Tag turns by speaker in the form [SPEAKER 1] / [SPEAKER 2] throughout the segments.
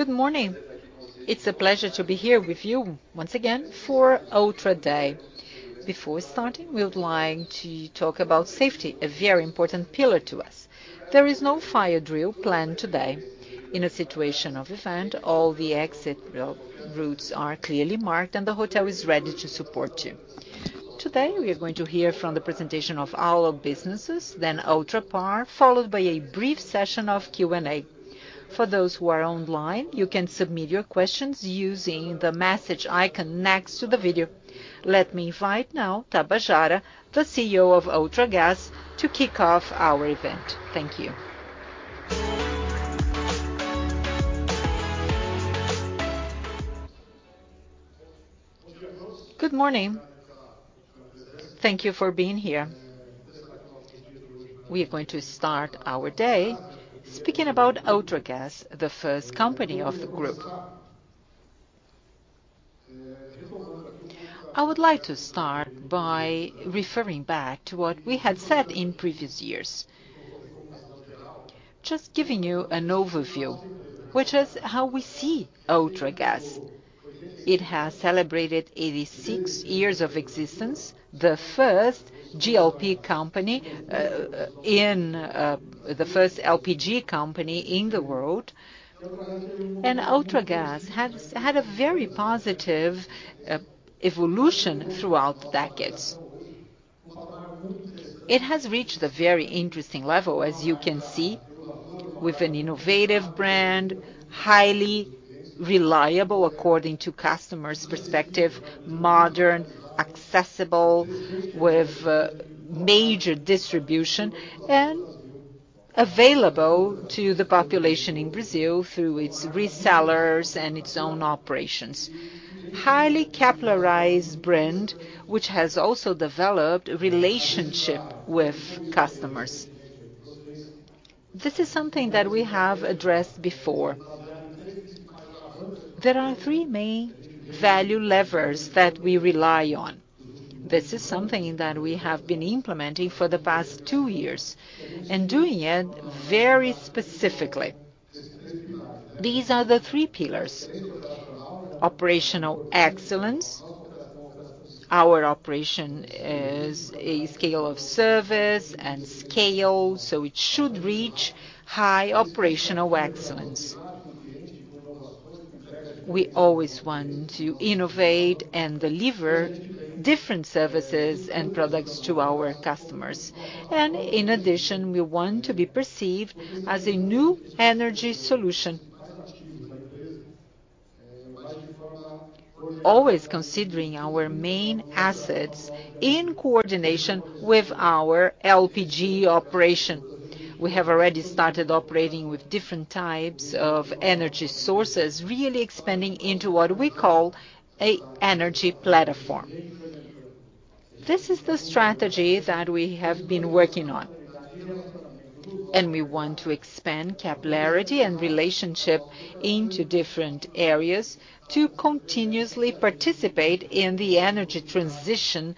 [SPEAKER 1] Good morning. It's a pleasure to be here with you once again for Ultragaz. Before starting, we would like to talk about safety, a very important pillar to us. There is no fire drill planned today. In a situation of event, all the exit routes are clearly marked, and the hotel is ready to support you. Today, we are going to hear from the presentation of all our businesses, then Ultragaz, followed by a brief session of Q&A. For those who are online, you can submit your questions using the message icon next to the video. Let me invite now Tabajara, the CEO of Ultragaz, to kick off our event. Thank you.
[SPEAKER 2] Good morning. Thank you for being here. We are going to start our day speaking about Ultragaz, the first company of the group. I would like to start by referring back to what we had said in previous years. Just giving you an overview, which is how we see Ultragaz. It has celebrated 86 years of existence, the first GLP company, the first LPG company in the world, and Ultragaz has had a very positive evolution throughout the decades. It has reached a very interesting level, as you can see, with an innovative brand, highly reliable according to customers' perspective, modern, accessible, with major distribution and available to the population in Brazil through its resellers and its own operations. Highly capitalized brand, which has also developed relationship with customers. This is something that we have addressed before. There are three main value levers that we rely on. This is something that we have been implementing for the past two years and doing it very specifically. These are the three pillars: operational excellence. Our operation is a scale of service and scale, so it should reach high operational excellence. We always want to innovate and deliver different services and products to our customers, and in addition, we want to be perceived as a new energy solution. Always considering our main assets in coordination with our LPG operation. We have already started operating with different types of energy sources, really expanding into what we call a energy platform. This is the strategy that we have been working on, and we want to expand capillarity and relationship into different areas to continuously participate in the energy transition,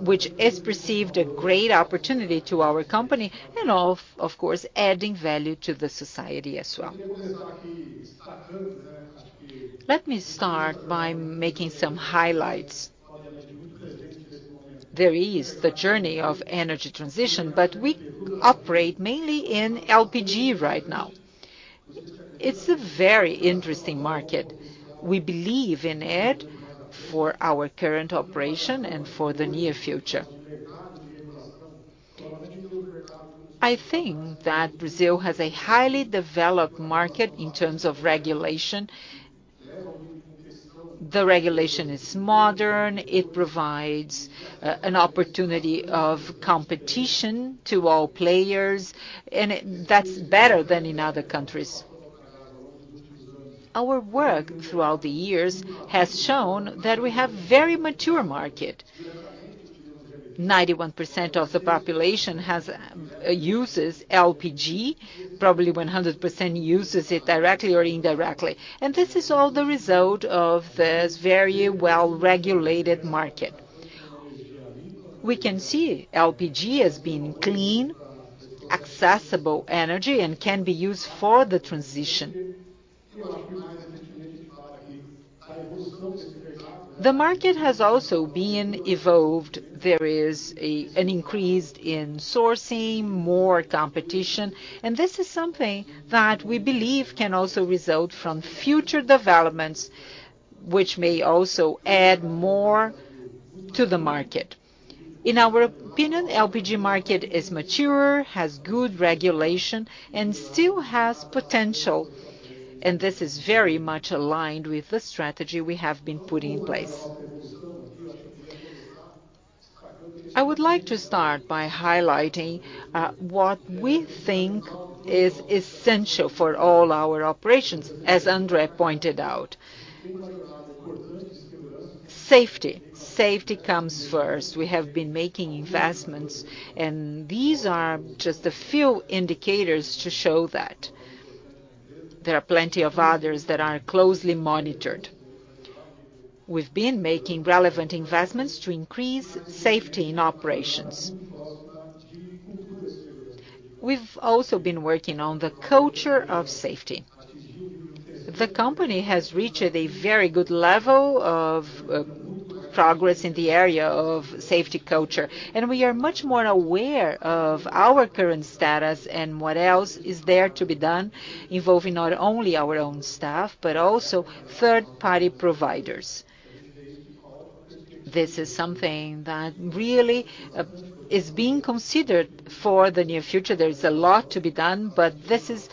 [SPEAKER 2] which is perceived a great opportunity to our company and of, of course, adding value to the society as well. Let me start by making some highlights. There is the journey of energy transition, but we operate mainly in LPG right now. It's a very interesting market. We believe in it for our current operation and for the near future. I think that Brazil has a highly developed market in terms of regulation. The regulation is modern. It provides an opportunity of competition to all players, and it... That's better than in other countries. Our work throughout the years has shown that we have very mature market. 91% of the population uses LPG, probably 100% uses it directly or indirectly, and this is all the result of this very well-regulated market. We can see LPG as being clean, accessible energy and can be used for the transition. The market has also been evolved. There is an increase in sourcing, more competition, and this is something that we believe can also result from future developments, which may also add more to the market. In our opinion, LPG market is mature, has good regulation, and still has potential, and this is very much aligned with the strategy we have been putting in place. I would like to start by highlighting what we think is essential for all our operations, as Andrea pointed out. Safety. Safety comes first. We have been making investments, and these are just a few indicators to show that. There are plenty of others that are closely monitored. We've been making relevant investments to increase safety in operations. We've also been working on the culture of safety. The company has reached a very good level of progress in the area of safety culture, and we are much more aware of our current status and what else is there to be done, involving not only our own staff, but also third-party providers. This is something that really is being considered for the near future. There is a lot to be done, but this is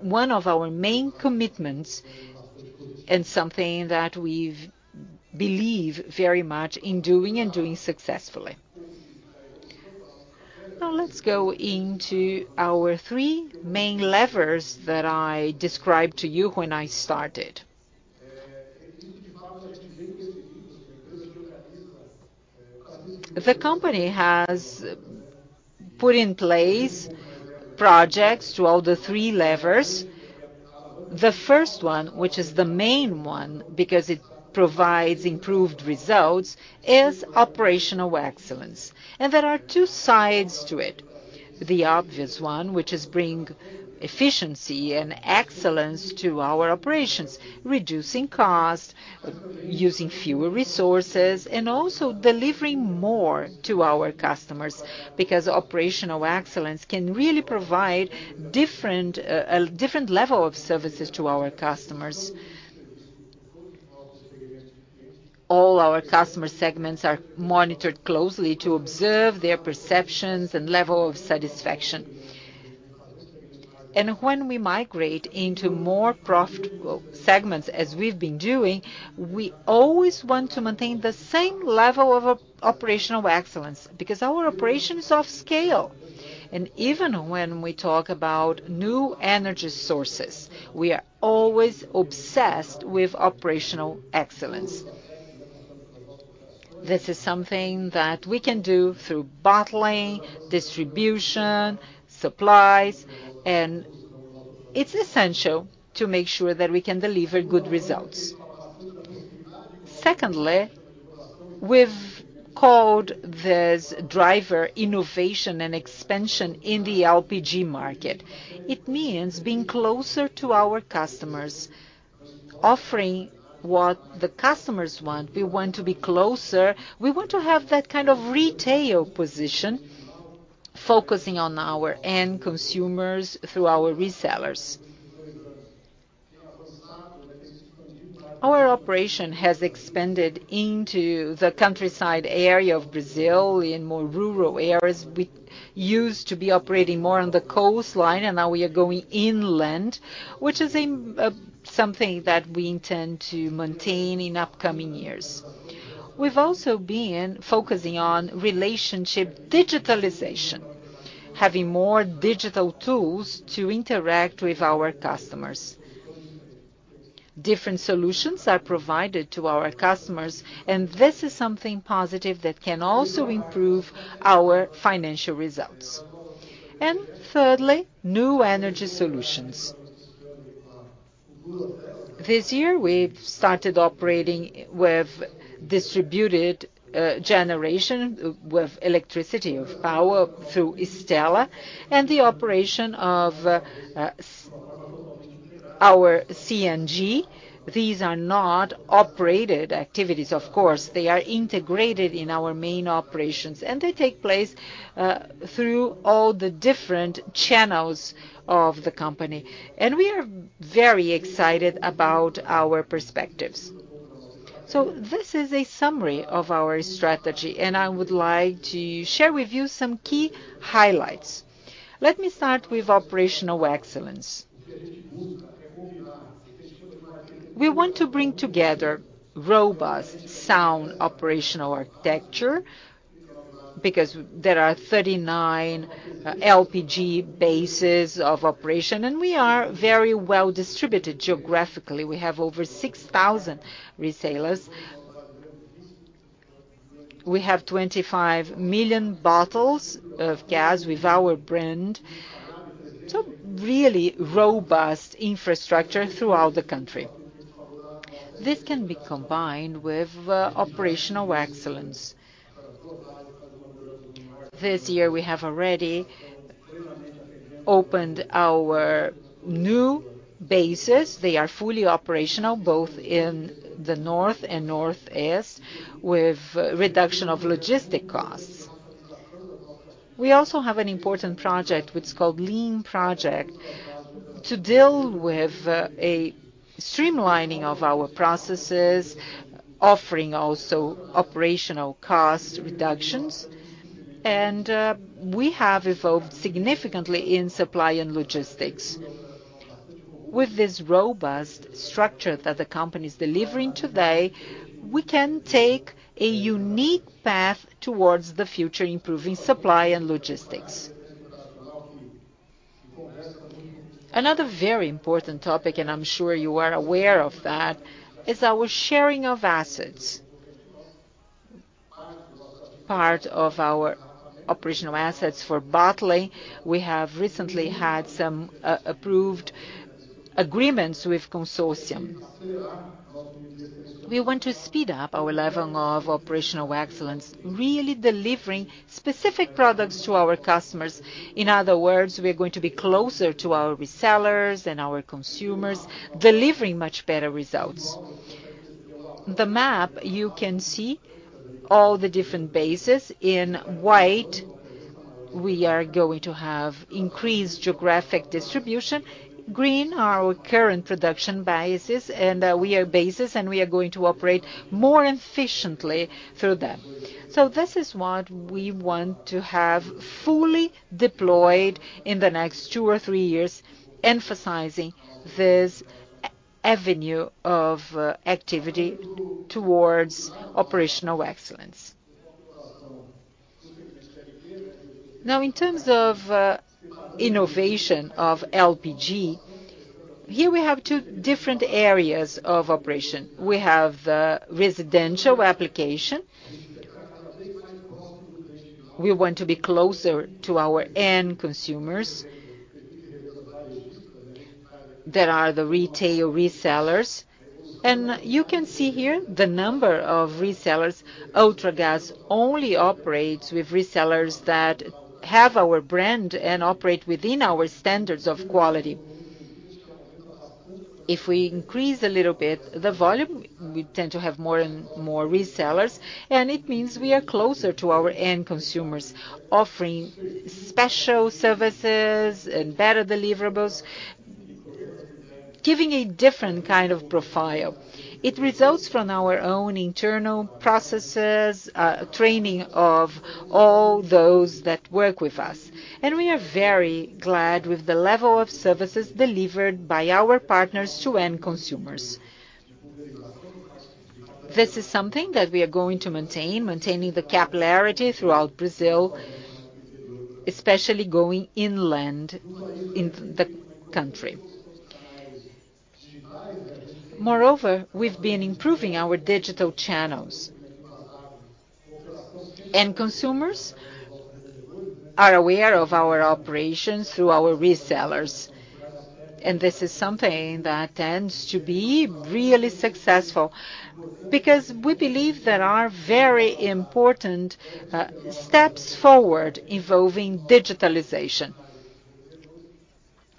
[SPEAKER 2] one of our main commitments and something that we've believe very much in doing and doing successfully. Now, let's go into our three main levers that I described to you when I started. The company has put in place projects to all the three levers. The first one, which is the main one because it provides improved results, is operational excellence, and there are two sides to it. The obvious one, which is bring efficiency and excellence to our operations, reducing costs, using fewer resources, and also delivering more to our customers, because operational excellence can really provide different, a different level of services to our customers. All our customer segments are monitored closely to observe their perceptions and level of satisfaction. And when we migrate into more profitable segments, as we've been doing, we always want to maintain the same level of operational excellence, because our operation is of scale. And even when we talk about new energy sources, we are always obsessed with operational excellence. This is something that we can do through bottling, distribution, supplies, and it's essential to make sure that we can deliver good results. Secondly, we've called this driver innovation and expansion in the LPG market. It means being closer to our customers, offering what the customers want. We want to be closer. We want to have that kind of retail position, focusing on our end consumers through our resellers. Our operation has expanded into the countryside area of Brazil, in more rural areas. We used to be operating more on the coastline, and now we are going inland, which is a something that we intend to maintain in upcoming years. We've also been focusing on relationship digitalization, having more digital tools to interact with our customers. Different solutions are provided to our customers, and this is something positive that can also improve our financial results. And thirdly, new energy solutions. This year, we've started operating with distributed generation, with electricity of power through Stella and the operation of our CNG. These are not operated activities, of course. They are integrated in our main operations, and they take place through all the different channels of the company, and we are very excited about our perspectives. So this is a summary of our strategy, and I would like to share with you some key highlights. Let me start with operational excellence. We want to bring together robust, sound operational architecture, because there are 39 LPG bases of operation, and we are very well distributed geographically. We have over 6,000 retailers. We have 25 million bottles of gas with our brand, so really robust infrastructure throughout the country. This can be combined with operational excellence. This year, we have already opened our new bases. They are fully operational, both in the north and northeast, with reduction of logistics costs. We also have an important project, which is called Lean Project, to deal with a streamlining of our processes, offering also operational cost reductions, and we have evolved significantly in supply and logistics. With this robust structure that the company is delivering today, we can take a unique path towards the future, improving supply and logistics. Another very important topic, and I'm sure you are aware of that, is our sharing of assets. Part of our operational assets for bottling, we have recently had some approved agreements with consortium. We want to speed up our level of operational excellence, really delivering specific products to our customers. In other words, we are going to be closer to our resellers and our consumers, delivering much better results. The map, you can see all the different bases. In white, we are going to have increased geographic distribution. Green, our current production bases, and we have bases, and we are going to operate more efficiently through them. So this is what we want to have fully deployed in the next two or three years, emphasizing this avenue of activity towards operational excellence. Now, in terms of innovation of LPG, here we have two different areas of operation. We have residential application. We want to be closer to our end consumers. There are the retail resellers, and you can see here the number of resellers. Ultragaz only operates with resellers that have our brand and operate within our standards of quality. If we increase a little bit the volume, we tend to have more and more resellers, and it means we are closer to our end consumers, offering special services and better deliverables, giving a different kind of profile. It results from our own internal processes, training of all those that work with us, and we are very glad with the level of services delivered by our partners to end consumers. This is something that we are going to maintain, maintaining the capillarity throughout Brazil, especially going inland in the country. Moreover, we've been improving our digital channels, and consumers are aware of our operations through our resellers, and this is something that tends to be really successful because we believe there are very important steps forward involving digitalization.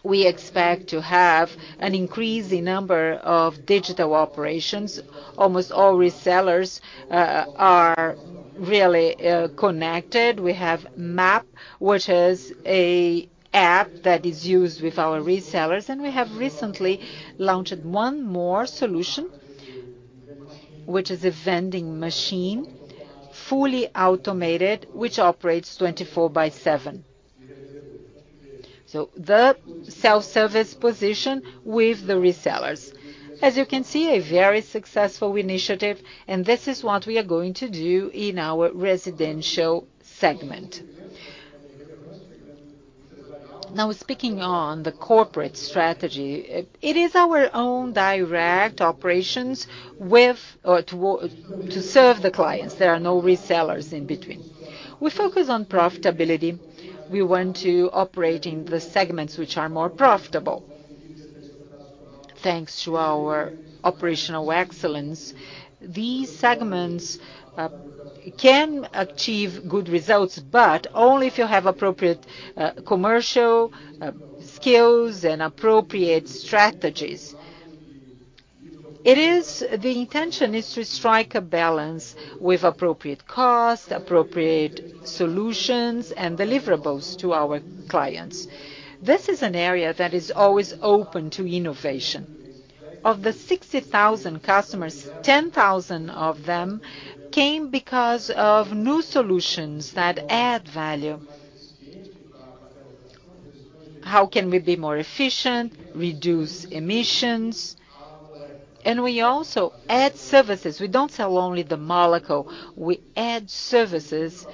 [SPEAKER 2] We expect to have an increase in number of digital operations. Almost all resellers are really connected. We have Map, which is a app that is used with our resellers, and we have recently launched one more solution, which is a vending machine, fully automated, which operates 24/7. So the self-service position with the resellers. As you can see, a very successful initiative, and this is what we are going to do in our residential segment. Now, speaking on the corporate strategy, it, it is our own direct operations with or to, to serve the clients. There are no resellers in between. We focus on profitability. We want to operate in the segments which are more profitable. Thanks to our operational excellence, these segments can achieve good results, but only if you have appropriate commercial skills and appropriate strategies. It is... The intention is to strike a balance with appropriate cost, appropriate solutions, and deliverables to our clients. This is an area that is always open to innovation. Of the 60,000 customers, 10,000 of them came because of new solutions that add value. How can we be more efficient, reduce emissions? We also add services. We don't sell only the molecule, we add services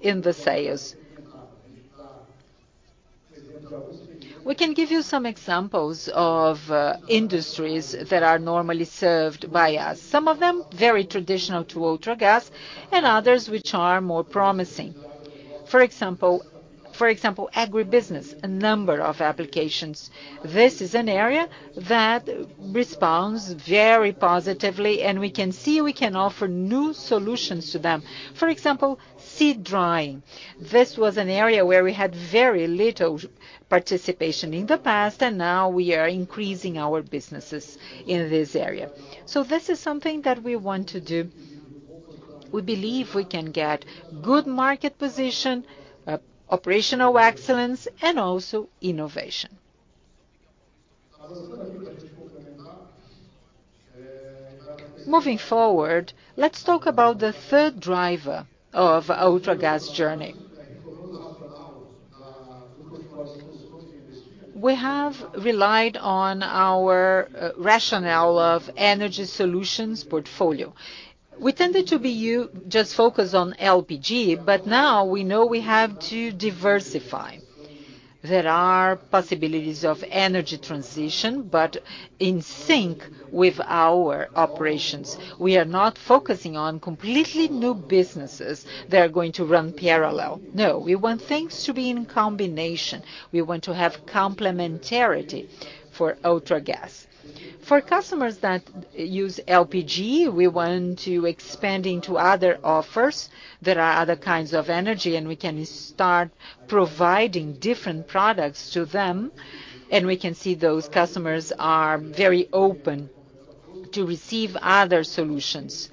[SPEAKER 2] in the sales. We can give you some examples of industries that are normally served by us, some of them very traditional to Ultragaz and others which are more promising. For example, for example, agribusiness, a number of applications. This is an area that responds very positively, and we can see we can offer new solutions to them. For example, seed drying. This was an area where we had very little participation in the past, and now we are increasing our businesses in this area. So this is something that we want to do. We believe we can get good market position, operational excellence, and also innovation. Moving forward, let's talk about the third driver of Ultragaz journey. We have relied on our rationale of energy solutions portfolio. We tended to be just focused on LPG, but now we know we have to diversify. There are possibilities of energy transition, but in sync with our operations. We are not focusing on completely new businesses that are going to run parallel. No, we want things to be in combination. We want to have complementarity for Ultragaz. For customers that use LPG, we want to expand into other offers. There are other kinds of energy, and we can start providing different products to them, and we can see those customers are very open to receive other solutions.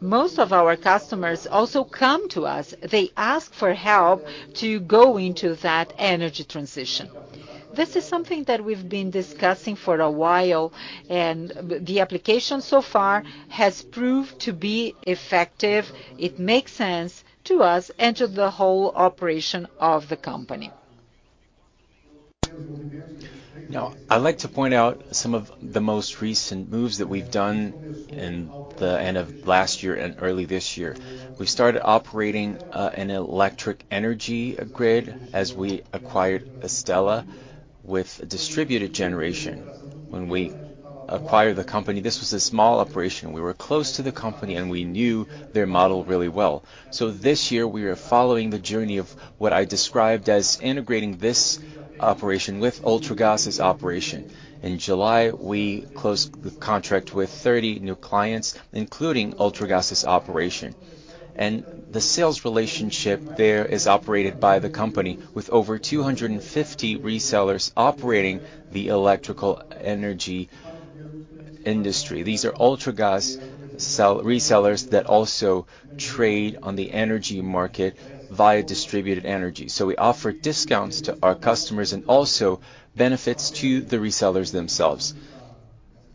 [SPEAKER 2] Most of our customers also come to us. They ask for help to go into that energy transition. This is something that we've been discussing for a while, and the application so far has proved to be effective. It makes sense to us and to the whole operation of the company.
[SPEAKER 3] Now, I'd like to point out some of the most recent moves that we've done in the end of last year and early this year. We started operating an electric energy grid as we acquired Stella with distributed generation. When we acquired the company, this was a small operation. We were close to the company, and we knew their model really well. So this year, we are following the journey of what I described as integrating this operation with Ultragaz's operation. In July, we closed the contract with 30 new clients, including Ultragaz's operation, and the sales relationship there is operated by the company with over 250 resellers operating the electrical energy industry. These are Ultragaz resellers that also trade on the energy market via distributed energy. So we offer discounts to our customers and also benefits to the resellers themselves.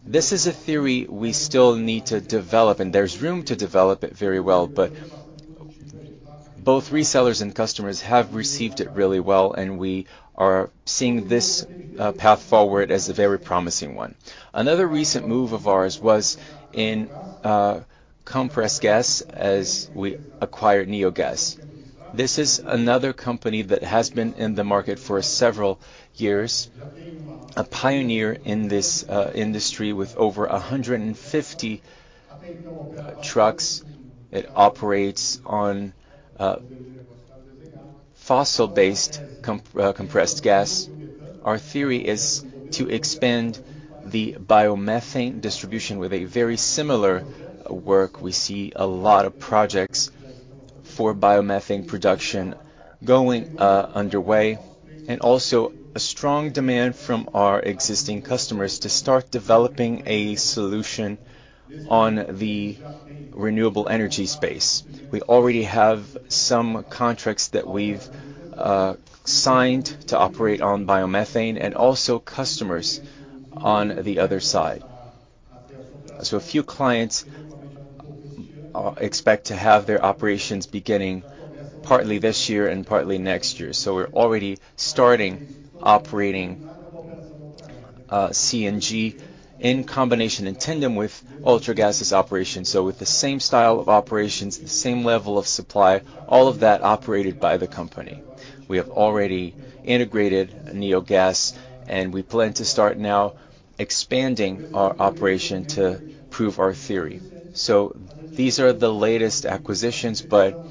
[SPEAKER 3] This is a theory we still need to develop, and there's room to develop it very well, but both resellers and customers have received it really well, and we are seeing this path forward as a very promising one. Another recent move of ours was in compressed gas, as we acquired Neogás. This is another company that has been in the market for several years, a pioneer in this industry with over 150 trucks. It operates on fossil-based compressed gas. Our theory is to expand the biomethane distribution with a very similar work. We see a lot of projects for biomethane production going underway, and also a strong demand from our existing customers to start developing a solution on the renewable energy space. We already have some contracts that we've signed to operate on biomethane, and also customers on the other side. So a few clients expect to have their operations beginning partly this year and partly next year. So we're already starting operating CNG in combination, in tandem with Ultragaz's operation. So with the same style of operations, the same level of supply, all of that operated by the company. We have already integrated Neogás, and we plan to start now expanding our operation to prove our theory. So these are the latest acquisitions, but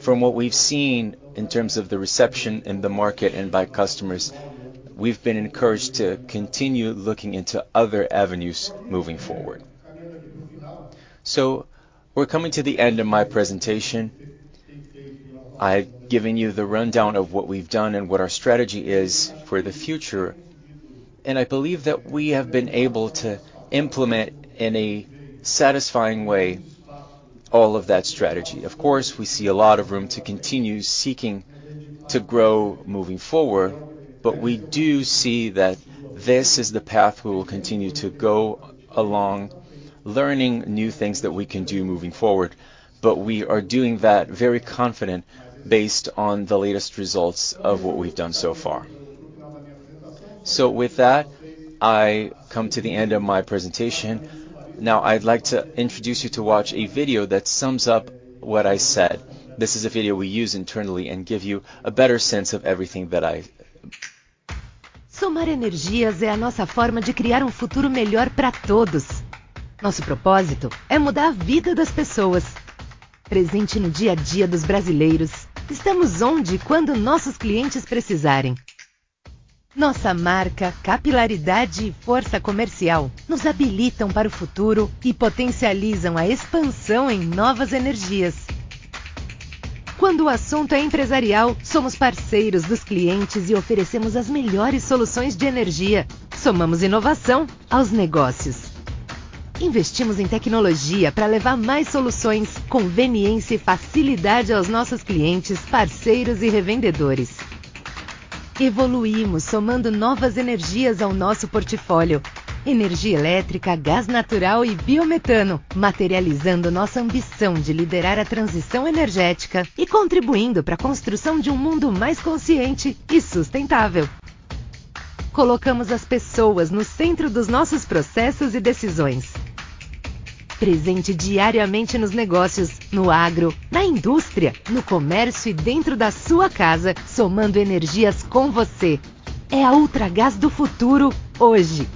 [SPEAKER 3] from what we've seen in terms of the reception in the market and by customers, we've been encouraged to continue looking into other avenues moving forward. So we're coming to the end of my presentation. I've given you the rundown of what we've done and what our strategy is for the future, and I believe that we have been able to implement, in a satisfying way, all of that strategy. Of course, we see a lot of room to continue seeking to grow moving forward, but we do see that this is the path we will continue to go along, learning new things that we can do moving forward. But we are doing that very confident based on the latest results of what we've done so far. So with that, I come to the end of my presentation. Now I'd like to introduce you to watch a video that sums up what I said. This is a video we use internally and give you a better sense of everything that I-
[SPEAKER 4] Somar energias é a nossa forma de criar um futuro melhor pra todos! Nosso propósito é mudar a vida das pessoas. Presente no dia a dia dos brasileiros, estamos onde e quando nossos clientes precisarem. Nossa marca, capilaridade e força comercial nos habilitam para o futuro e potencializam a expansão em novas energias. Quando o assunto é empresarial, somos parceiros dos clientes e oferecemos as melhores soluções de energia. Somamos inovação aos negócios. Investimos em tecnologia pra levar mais soluções, conveniência e facilidade aos nossos clientes, parceiros e revendedores. Evoluímos somando novas energias ao nosso portfólio: energia elétrica, gás natural e biometano, materializando nossa ambição de liderar a transição energética e contribuindo pra construção de um mundo mais consciente e sustentável. Colocamos as pessoas no centro dos nossos processos e decisões.... Presente diariamente nos negócios, no agro, na indústria, no comércio e dentro da sua casa, somando energias com você. É a Ultragaz do futuro, hoje.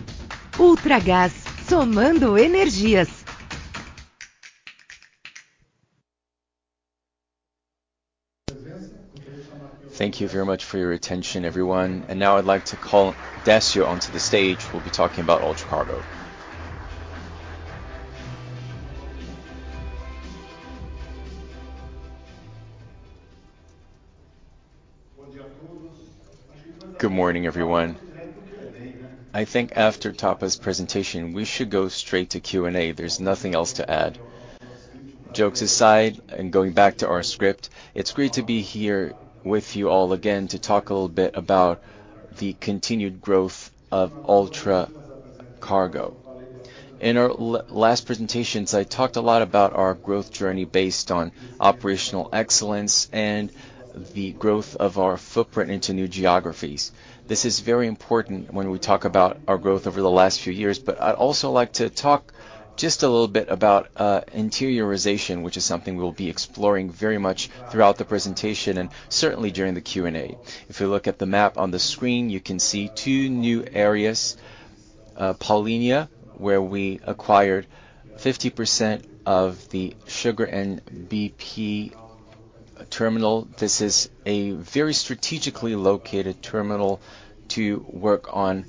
[SPEAKER 4] Ultragaz, somando energias!
[SPEAKER 5] Thank you very much for your attention, everyone. Now I'd like to call Décio onto the stage, who will be talking about Ultracargo.
[SPEAKER 3] Good morning, everyone. I think after Taba's presentation, we should go straight to Q&A. There's nothing else to add. Jokes aside, and going back to our script, it's great to be here with you all again to talk a little bit about the continued growth of Ultracargo. In our last presentations, I talked a lot about our growth journey based on operational excellence and the growth of our footprint into new geographies. This is very important when we talk about our growth over the last few years, but I'd also like to talk just a little bit about interiorization, which is something we'll be exploring very much throughout the presentation, and certainly during the Q&A. If you look at the map on the screen, you can see two new areas, Paulínia, where we acquired 50% of the Copersucar and BP terminal. This is a very strategically located terminal to work on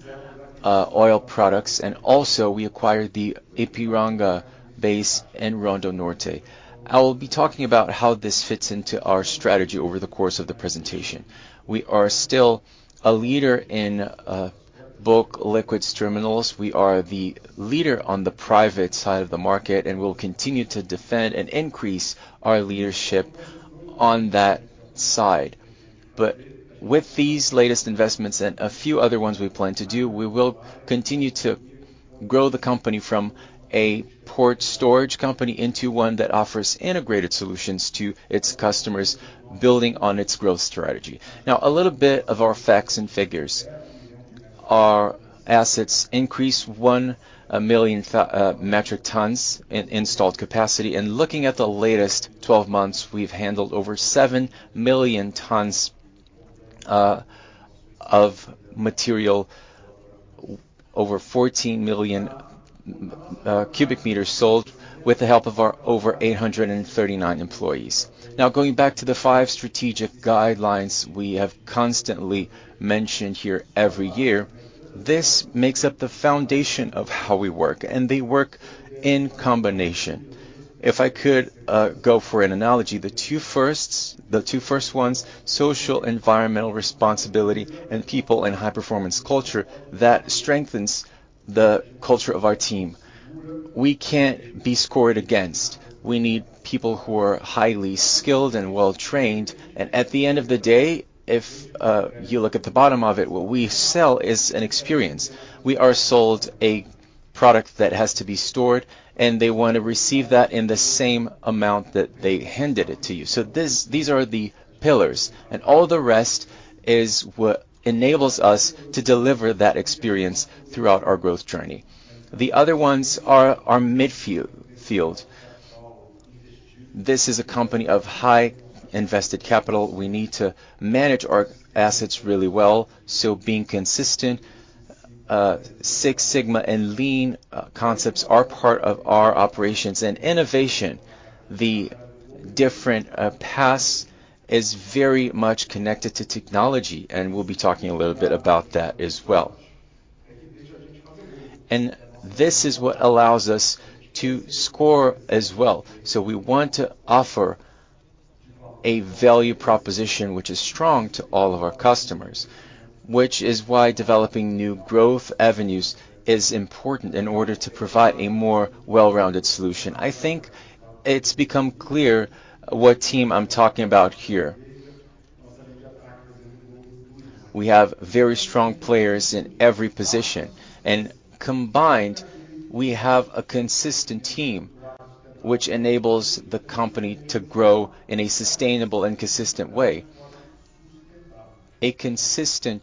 [SPEAKER 3] oil products, and also, we acquired the Ipiranga base in Rondonópolis. I will be talking about how this fits into our strategy over the course of the presentation. We are still a leader in bulk liquids terminals. We are the leader on the private side of the market, and we'll continue to defend and increase our leadership on that side. But with these latest investments and a few other ones we plan to do, we will continue to grow the company from a port storage company into one that offers integrated solutions to its customers, building on its growth strategy. Now, a little bit of our facts and figures. Our assets increased 1 million metric tons in installed capacity, and looking at the latest twelve months, we've handled over 7 million tons of material, over 14 million cubic meters sold, with the help of our over 839 employees. Now, going back to the five strategic guidelines we have constantly mentioned here every year, this makes up the foundation of how we work, and they work in combination. If I could go for an analogy, the two firsts, the two first ones, social, environmental responsibility, and people and high-performance culture, that strengthens the culture of our team. We can't be scored against. We need people who are highly skilled and well-trained, and at the end of the day, if you look at the bottom of it, what we sell is an experience. We are sold a product that has to be stored, and they want to receive that in the same amount that they handed it to you. So this... These are the pillars, and all the rest is what enables us to deliver that experience throughout our growth journey. The other ones are our field. This is a company of high invested capital. We need to manage our assets really well, so being consistent, Six Sigma and Lean concepts are part of our operations and innovation. The different paths is very much connected to technology, and we'll be talking a little bit about that as well. And this is what allows us to score as well. So we want to offer a value proposition which is strong to all of our customers, which is why developing new growth avenues is important in order to provide a more well-rounded solution. I think it's become clear what team I'm talking about here. We have very strong players in every position, and combined, we have a consistent team, which enables the company to grow in a sustainable and consistent way. A consistent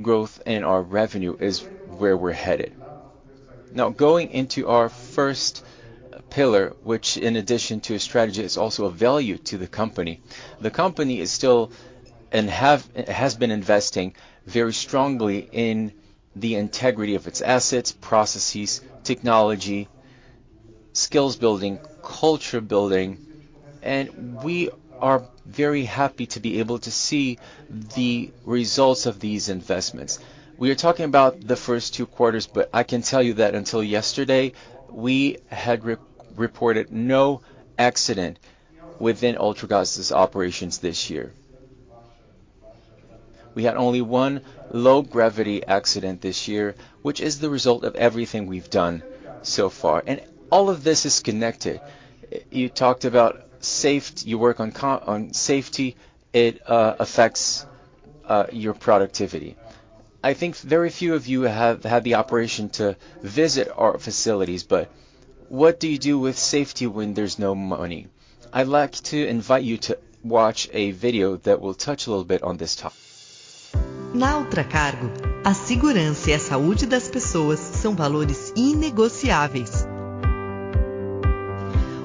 [SPEAKER 3] growth in our revenue is where we're headed. Now, going into our first pillar, which in addition to a strategy, is also a value to the company. The company is still, and has been investing very strongly in the integrity of its assets, processes, technology, skills building, culture building, and we are very happy to be able to see the results of these investments. We are talking about the first two quarters, but I can tell you that until yesterday, we had reported no accident within Ultragaz's operations this year. We had only one low-gravity accident this year, which is the result of everything we've done so far, and all of this is connected. You talked about safety. You work on safety; it affects your productivity. I think very few of you have had the operation to visit our facilities, but what do you do with safety when there's no money? I'd like to invite you to watch a video that will touch a little bit on this topic.
[SPEAKER 4] ...Na Ultracargo, a segurança e a saúde das pessoas são valores inegociáveis.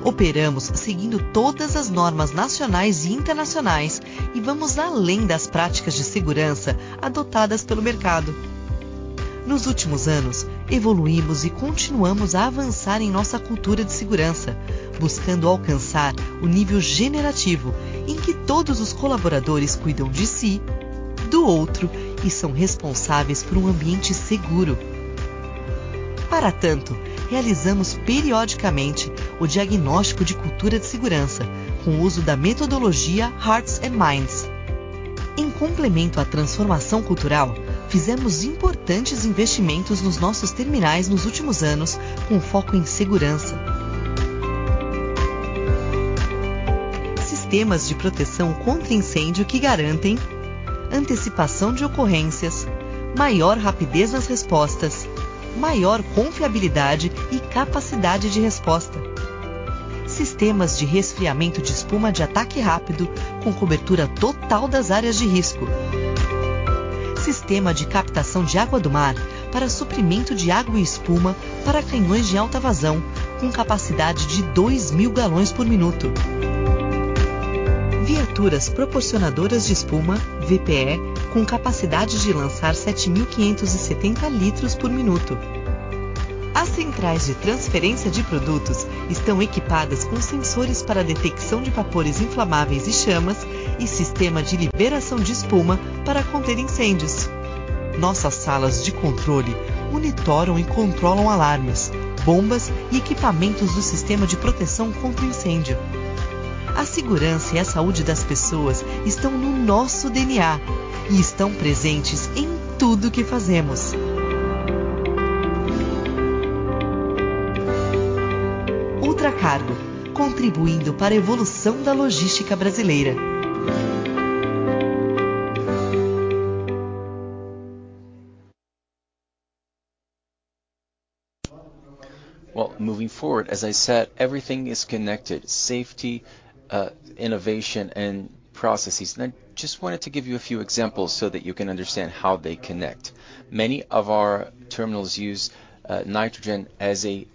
[SPEAKER 4] Operamos seguindo todas as normas nacionais e internacionais, e vamos além das práticas de segurança adotadas pelo mercado. Nos últimos anos, evoluímos e continuamos a avançar em nossa cultura de segurança, buscando alcançar o nível generativo, em que todos os colaboradores cuidam de si, do outro e são responsáveis por um ambiente seguro. Para tanto, realizamos periodicamente o diagnóstico de cultura de segurança, com o uso da metodologia Hearts and Minds. Em complemento à transformação cultural, fizemos importantes investimentos nos nossos terminais nos últimos anos, com foco em segurança. Sistemas de proteção contra incêndio que garantem: antecipação de ocorrências, maior rapidez nas respostas, maior confiabilidade e capacidade de resposta. Sistemas de resfriamento de espuma de ataque rápido, com cobertura total das áreas de risco. Sistema de captação de água do mar para suprimento de água e espuma para canhões de alta vazão, com capacidade de 2,000 galões por minuto. Viaturas proporcionadoras de espuma VPE, com capacidade de lançar 7,570 litros por minuto. As centrais de transferência de produtos estão equipadas com sensores para detecção de vapores inflamáveis e chamas, e sistema de liberação de espuma para conter incêndios. Nossas salas de controle monitoram e controlam alarmes, bombas e equipamentos do sistema de proteção contra incêndio. A segurança e a saúde das pessoas estão no nosso DNA e estão presentes em tudo que fazemos. Ultracargo, contribuindo para a evolução da logística brasileira.
[SPEAKER 3] Well, moving forward, as I said, everything is connected: safety, innovation, and processes. I just wanted to give you a few examples so that you can understand how they connect. Many of our terminals use nitrogen as a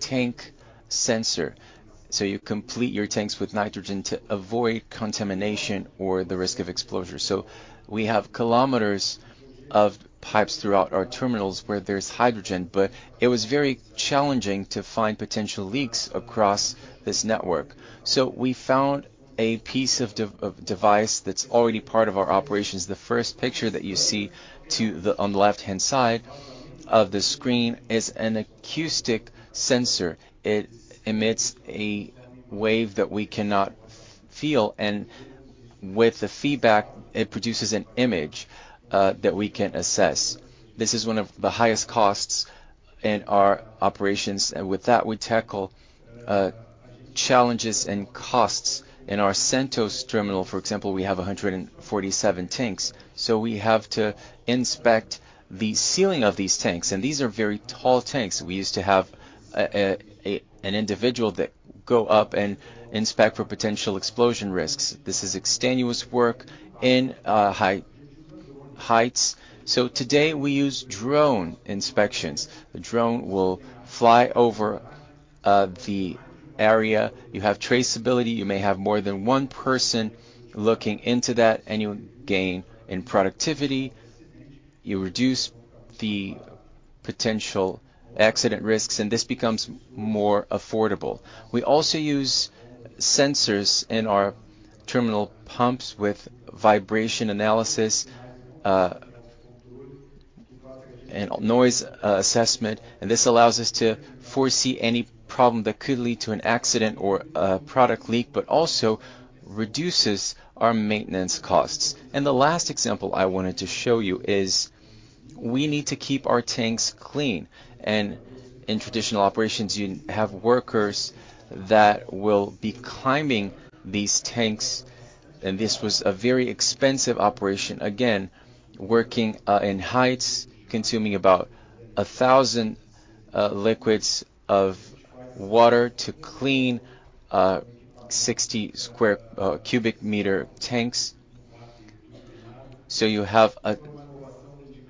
[SPEAKER 3] tank sensor. So you complete your tanks with nitrogen to avoid contamination or the risk of explosion. So we have kilometers of pipes throughout our terminals where there's hydrogen, but it was very challenging to find potential leaks across this network. So we found a piece of device that's already part of our operations. The first picture that you see to the on the left-hand side of the screen is an acoustic sensor. It emits a wave that we cannot feel, and with the feedback, it produces an image that we can assess. This is one of the highest costs in our operations, and with that, we tackle challenges and costs. In our Santos terminal, for example, we have 147 tanks, so we have to inspect the ceiling of these tanks, and these are very tall tanks. We used to have an individual that go up and inspect for potential explosion risks. This is extenuous work in heights. So today, we use drone inspections. A drone will fly over the area. You have traceability. You may have more than one person looking into that, and you gain in productivity, you reduce the potential accident risks, and this becomes more affordable. We also use sensors in our terminal pumps with vibration analysis and noise assessment, and this allows us to foresee any problem that could lead to an accident or a product leak, but also reduces our maintenance costs. The last example I wanted to show you is we need to keep our tanks clean. In traditional operations, you have workers that will be climbing these tanks, and this was a very expensive operation. Again, working in heights, consuming about 1,000 liters of water to clean 60 cubic meter tanks. So you have a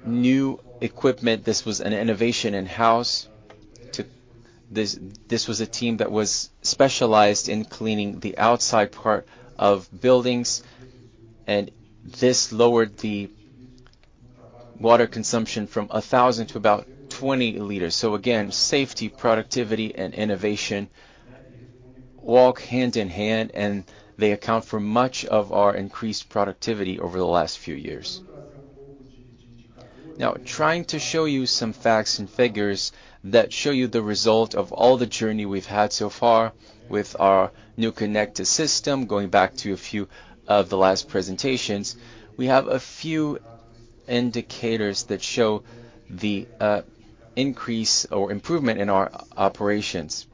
[SPEAKER 3] new equipment. This was an innovation in-house. This was a team that was specialized in cleaning the outside part of buildings, and this lowered the water consumption from 1,000 to about 20 liters. So again, safety, productivity, and innovation walk hand in hand, and they account for much of our increased productivity over the last few years. Now, trying to show you some facts and figures that show you the result of all the journey we've had so far with our new connected system, going back to a few of the last presentations, we have a few indicators that show the, increase or improvement in our operations.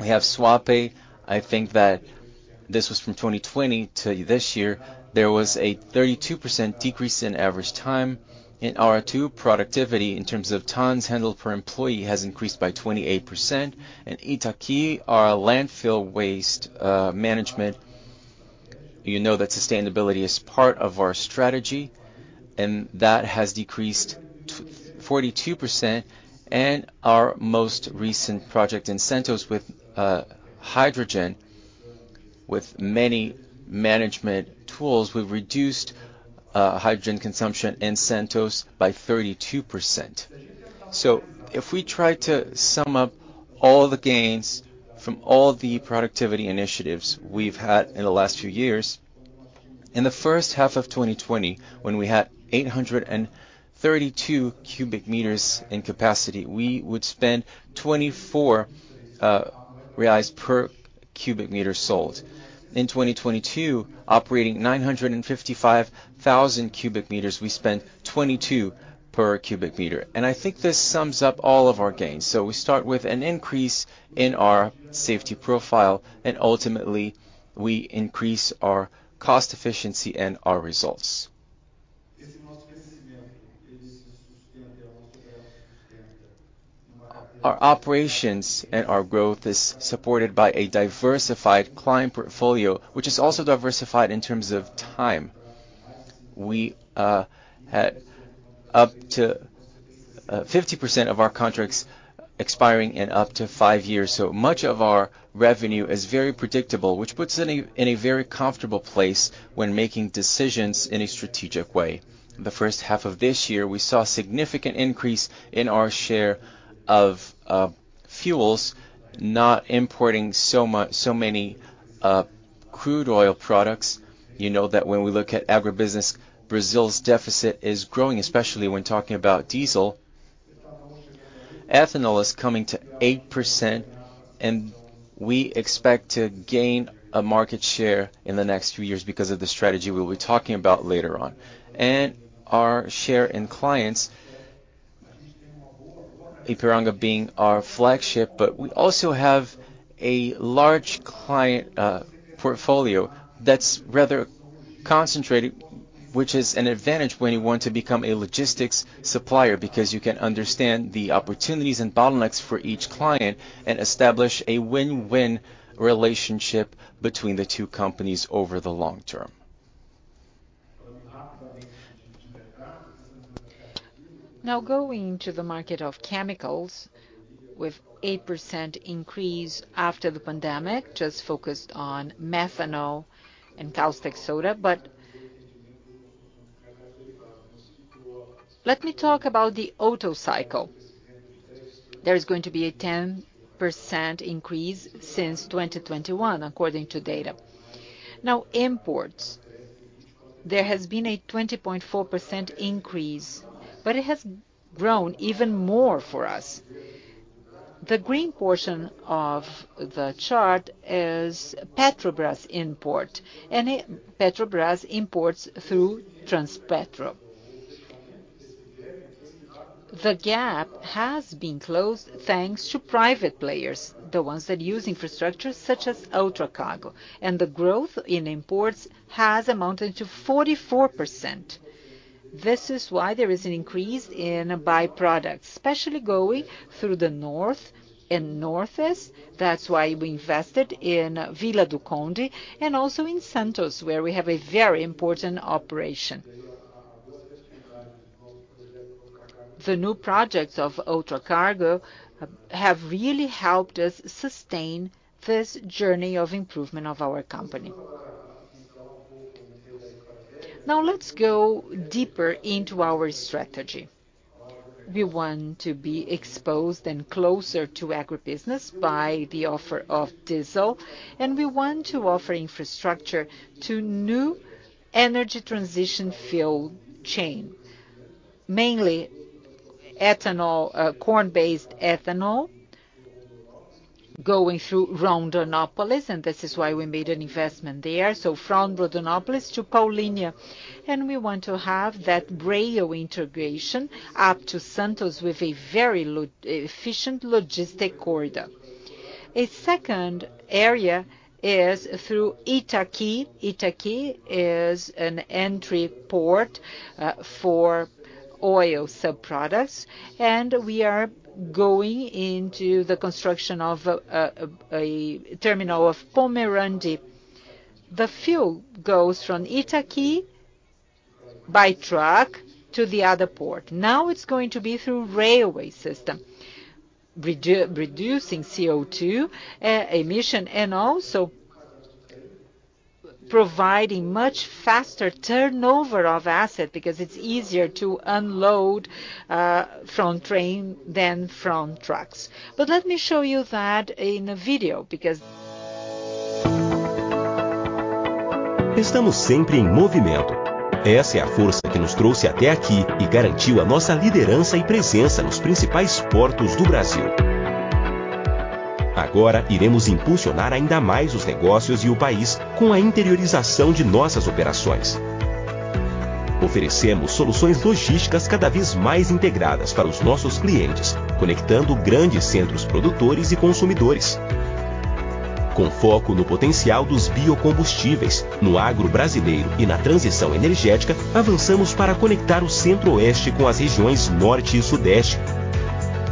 [SPEAKER 3] We have Suape. I think that this was from 2020 to this year. There was a 32% decrease in average time. In Aratu, productivity, in terms of tons handled per employee, has increased by 28%. In Itaqui, our landfill waste, management-... You know that sustainability is part of our strategy, and that has decreased 42%, and our most recent project in Santos with hydrogen, with many management tools, we've reduced hydrogen consumption in Santos by 32%. So if we try to sum up all the gains from all the productivity initiatives we've had in the last few years, in the H1 of 2020, when we had 832 cubic meters in capacity, we would spend 24 reais per cubic meter sold. In 2022, operating 955,000 cubic meters, we spent 22 BRL per cubic meter, and I think this sums up all of our gains. So we start with an increase in our safety profile, and ultimately, we increase our cost efficiency and our results. Our operations and our growth is supported by a diversified client portfolio, which is also diversified in terms of time. We had up to 50% of our contracts expiring in up to five years, so much of our revenue is very predictable, which puts us in a very comfortable place when making decisions in a strategic way. The H1 of this year, we saw significant increase in our share of fuels, not importing so many crude oil products. You know that when we look at agribusiness, Brazil's deficit is growing, especially when talking about diesel. Ethanol is coming to 8%, and we expect to gain a market share in the next few years because of the strategy we'll be talking about later on. Our share in clients, Ipiranga being our flagship, but we also have a large client portfolio that's rather concentrated, which is an advantage when you want to become a logistics supplier, because you can understand the opportunities and bottlenecks for each client and establish a win-win relationship between the two companies over the long term.
[SPEAKER 2] Now, going to the market of chemicals, with 8% increase after the pandemic, just focused on methanol and caustic soda. But let me talk about the Otto cycle. There is going to be a 10% increase since 2021, according to data. Now, imports, there has been a 20.4% increase, but it has grown even more for us. The green portion of the chart is Petrobras import, and it... Petrobras imports through Transpetro. The gap has been closed thanks to private players, the ones that use infrastructure such as Ultracargo, and the growth in imports has amounted to 44%. This is why there is an increase in byproducts, especially going through the North and Northeast. That's why we invested in Vila do Conde and also in Santos, where we have a very important operation. The new projects of Ultracargo have really helped us sustain this journey of improvement of our company. Now, let's go deeper into our strategy. We want to be exposed and closer to agribusiness by the offer of diesel, and we want to offer infrastructure to new energy transition fuel chain, mainly ethanol, corn-based ethanol, going through Rondonópolis, and this is why we made an investment there, so from Rondonópolis to Paulínia. We want to have that rail integration up to Santos with a very low-efficient logistic corridor. A second area is through Itaqui. Itaqui is an entry port for oil subproducts, and we are going into the construction of a terminal of Palmeirante. The fuel goes from Itaqui by truck to the other port. Now it's going to be through railway system, reducing CO2 emission, and also providing much faster turnover of asset, because it's easier to unload from train than from trucks. But let me show you that in a video, because-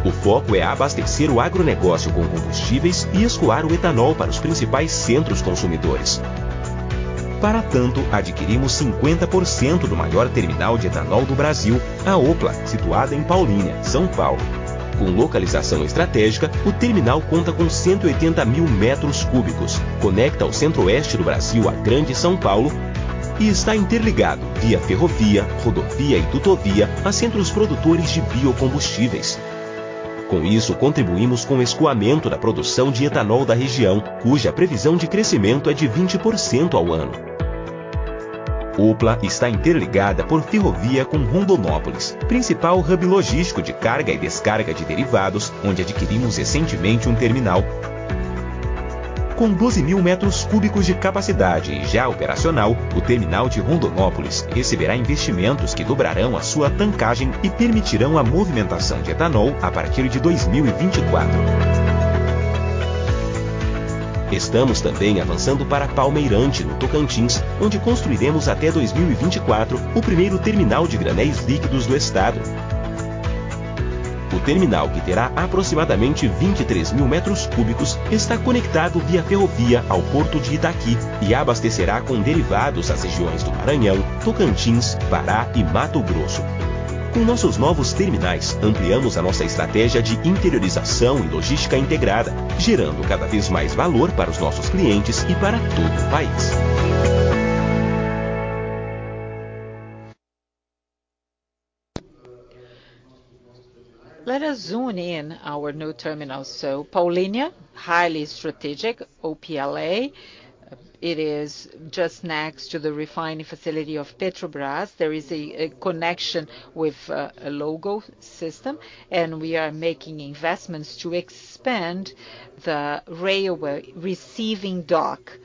[SPEAKER 4] ...O foco é abastecer o agronegócio com combustíveis e escoar o etanol para os principais centros consumidores. Para tanto, adquirimos 50% do maior terminal de etanol do Brasil, a Opla, situada em Paulínia, São Paulo. Com localização estratégica, o terminal conta com 180,000 metros cúbicos, conecta o Centro-Oeste do Brasil à Grande São Paulo e está interligado via ferrovia, rodovia e dutovia a centros produtores de biocombustíveis. Com isso, contribuímos com o escoamento da produção de etanol da região, cuja previsão de crescimento é de 20% ao ano. Opla está interligada por ferrovia com Rondonópolis, principal hub logístico de carga e descarga de derivados, onde adquirimos recentemente um terminal. Com 12,000 metros cúbicos de capacidade e já operacional, o terminal de Rondonópolis receberá investimentos que dobrarão a sua tankagem e permitirão a movimentação de etanol a partir de 2024. Estamos também avançando para Palmeirante, no Tocantins, onde construiremos até 2024 o primeiro terminal de granel líquido do Estado. O terminal, que terá aproximadamente 23,000 metros cúbicos, está conectado via ferrovia ao porto de Itaqui e abastecerá com derivados as regiões do Maranhão, Tocantins, Pará e Mato Grosso. Com nossos novos terminais, ampliamos a nossa estratégia de interiorização e logística integrada, gerando cada vez mais valor para os nossos clientes e para todo o país.
[SPEAKER 2] Let us zoom in on our new terminal. So, Paulínia, highly strategic, OPLA, it is just next to the refining facility of Petrobras. There is a connection with a logistics system, and we are making investments to expand the railway receiving dock.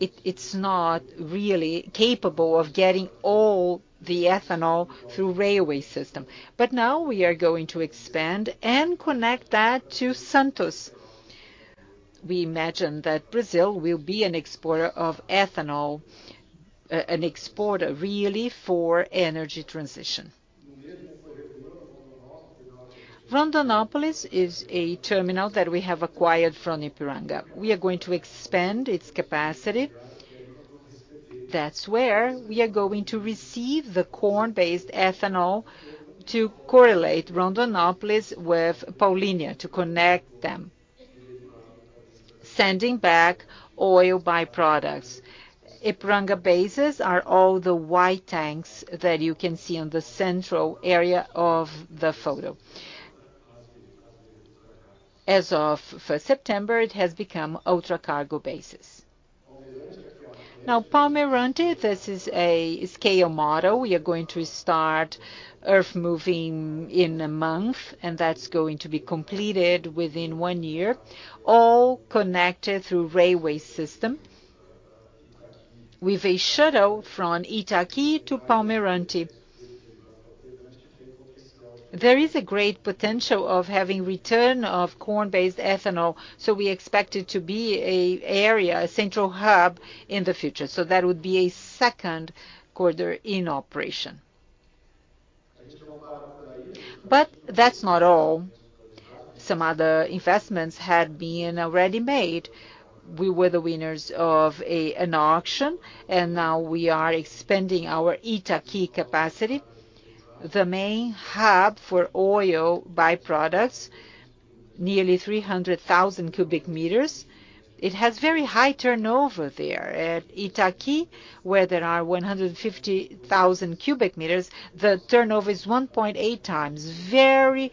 [SPEAKER 2] It's not really capable of getting all the ethanol through railway system, but now we are going to expand and connect that to Santos. We imagine that Brazil will be an exporter of ethanol, an exporter really for energy transition. Rondonópolis is a terminal that we have acquired from Ipiranga. We are going to expand its capacity. That's where we are going to receive the corn-based ethanol to correlate Rondonópolis with Paulínia, to connect them, sending back oil byproducts. Ipiranga bases are all the white tanks that you can see on the central area of the photo. As of September, it has become Ultracargo bases. Now, Palmeirante, this is a scale model. We are going to start earthmoving in a month, and that's going to be completed within one year, all connected through railway system with a shuttle from Itaqui to Palmeirante. There is a great potential of having return of corn-based ethanol, so we expect it to be an area, a central hub in the future, so that would be a second quarter in operation. But that's not all. Some other investments had been already made. We were the winners of an auction, and now we are expanding our Itaqui capacity, the main hub for oil byproducts, nearly 300,000 cubic meters. It has very high turnover there. At Itaqui, where there are 150,000 cubic meters, the turnover is 1.8x, very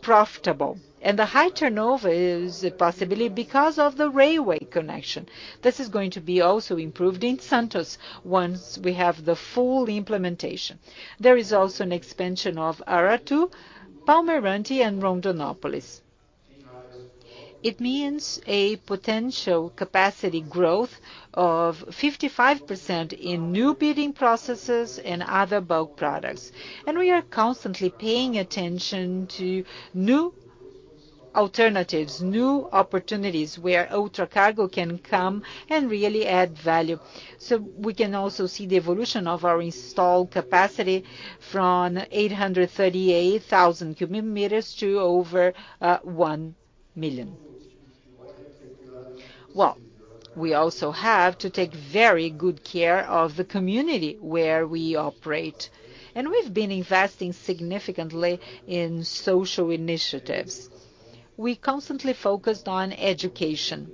[SPEAKER 2] profitable, and the high turnover is possibly because of the railway connection. This is going to be also improved in Santos once we have the full implementation. There is also an expansion of Aratu, Palmeirante, and Rondonópolis. It means a potential capacity growth of 55% in new bidding processes and other bulk products, and we are constantly paying attention to new alternatives, new opportunities where Ultracargo can come and really add value. So we can also see the evolution of our installed capacity from 838,000 cubic meters to over 1 million. Well, we also have to take very good care of the community where we operate, and we've been investing significantly in social initiatives. We constantly focused on education.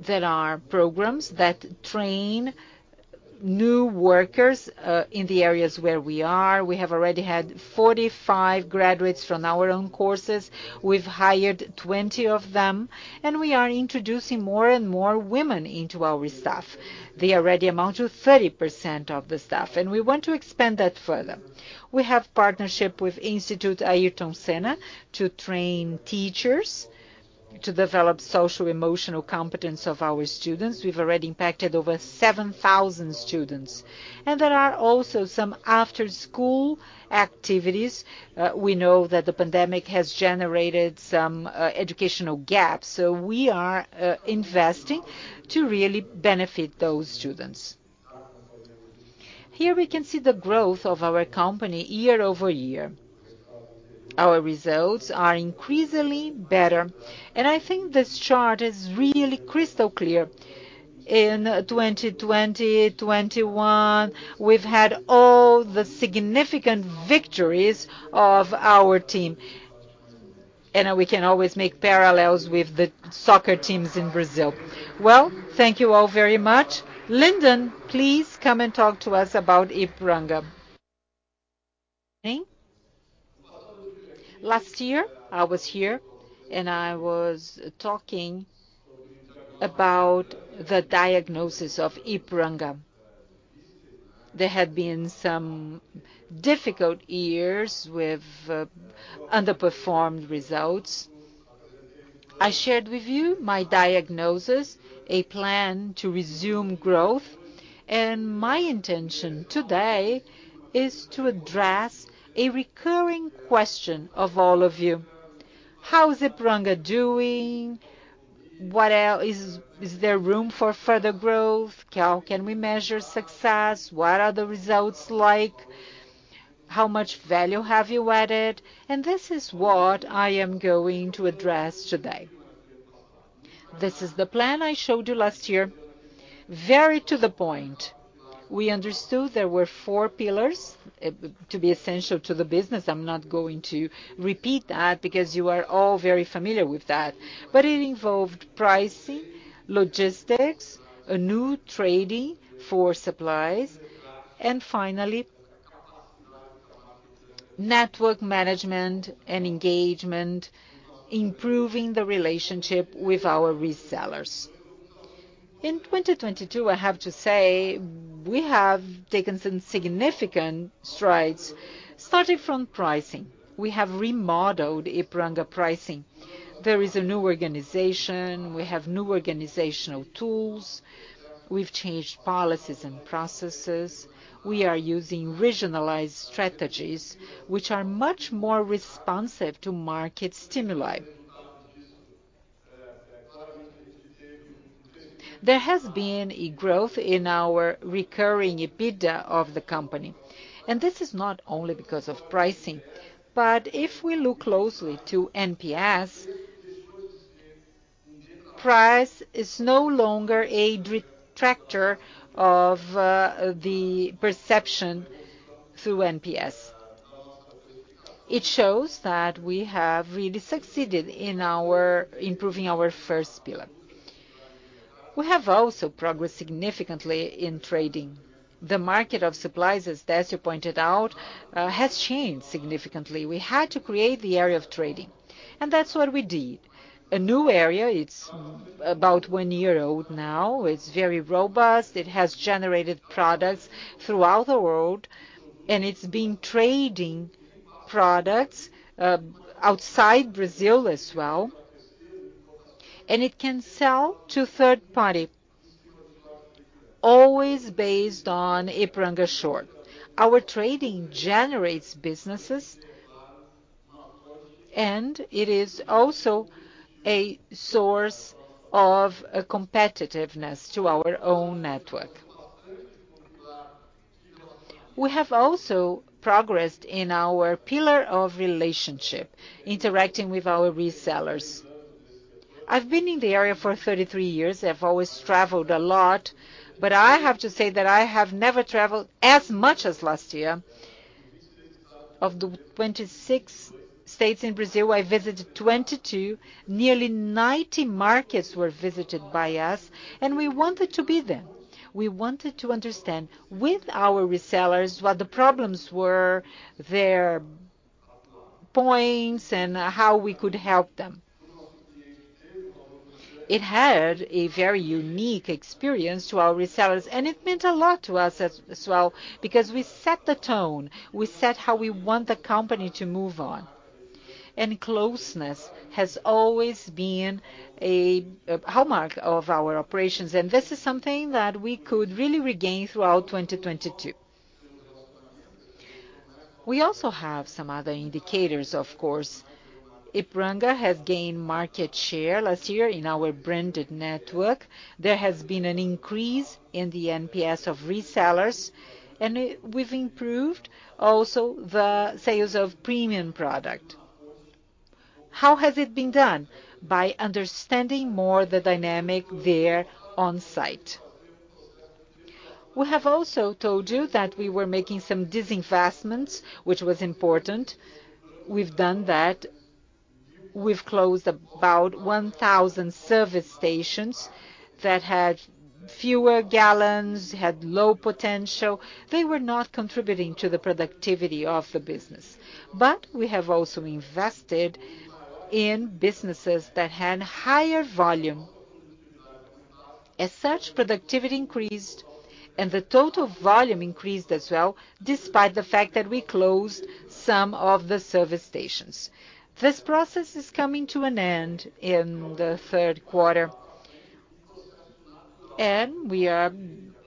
[SPEAKER 2] There are programs that train new workers in the areas where we are. We have already had 45 graduates from our own courses. We've hired 20 of them, and we are introducing more and more women into our staff. They already amount to 30% of the staff, and we want to expand that further. We have partnership with Institute Ayrton Senna to train teachers to develop social-emotional competence of our students. We've already impacted over 7,000 students, and there are also some after-school activities. We know that the pandemic has generated some educational gaps, so we are investing to really benefit those students. Here we can see the growth of our company year-over-year. Our results are increasingly better, and I think this chart is really crystal clear. In 2020, 2021, we've had all the significant victories of our team, and we can always make parallels with the soccer teams in Brazil. Well, thank you all very much. Linden, please come and talk to us about Ipiranga. Good morning. Last year, I was here, and I was talking about the diagnosis of Ipiranga. There had been some difficult years with underperformed results. I shared with you my diagnosis, a plan to resume growth, and my intention today is to address a recurring question of all of you: How is Ipiranga doing? What else? Is there room for further growth? How can we measure success? What are the results like? How much value have you added? And this is what I am going to address today. This is the plan I showed you last year, very to the point. We understood there were four pillars to be essential to the business. I'm not going to repeat that because you are all very familiar with that. But it involved pricing, logistics, a new trading for supplies, and finally, network management and engagement, improving the relationship with our resellers. In 2022, I have to say we have taken some significant strides, starting from pricing. We have remodeled Ipiranga pricing. There is a new organization, we have new organizational tools, we've changed policies and processes, we are using regionalized strategies which are much more responsive to market stimuli. There has been a growth in our recurring EBITDA of the company, and this is not only because of pricing, but if we look closely to NPS, price is no longer a detractor of the perception through NPS. It shows that we have really succeeded in our improving our first pillar. We have also progressed significantly in trading. The market of supplies, as Décio pointed out, has changed significantly. We had to create the area of trading, and that's what we did. A new area, it's about 1 year old now. It's very robust, it has generated products throughout the world, and it's been trading products, outside Brazil as well, and it can sell to third party, always based on Ipiranga Shore. Our trading generates businesses, and it is also a source of, competitiveness to our own network. We have also progressed in our pillar of relationship, interacting with our resellers. I've been in the area for 33 years. I've always traveled a lot, but I have to say that I have never traveled as much as last year. Of the 26 states in Brazil, I visited 22. Nearly 90 markets were visited by us, and we wanted to be there. We wanted to understand with our resellers what the problems were, their points, and how we could help them. It had a very unique experience to our resellers, and it meant a lot to us as well, because we set the tone. We set how we want the company to move on. And closeness has always been a hallmark of our operations, and this is something that we could really regain throughout 2022. We also have some other indicators, of course. Ipiranga has gained market share last year in our branded network. There has been an increase in the NPS of resellers, and we've improved also the sales of premium product. How has it been done? By understanding more the dynamic there on site. We have also told you that we were making some disinvestments, which was important. We've done that. We've closed about 1,000 service stations that had fewer gallons, had low potential. They were not contributing to the productivity of the business. But we have also invested in businesses that had higher volume. As such, productivity increased and the total volume increased as well, despite the fact that we closed some of the service stations. This process is coming to an end in the third quarter, and we are,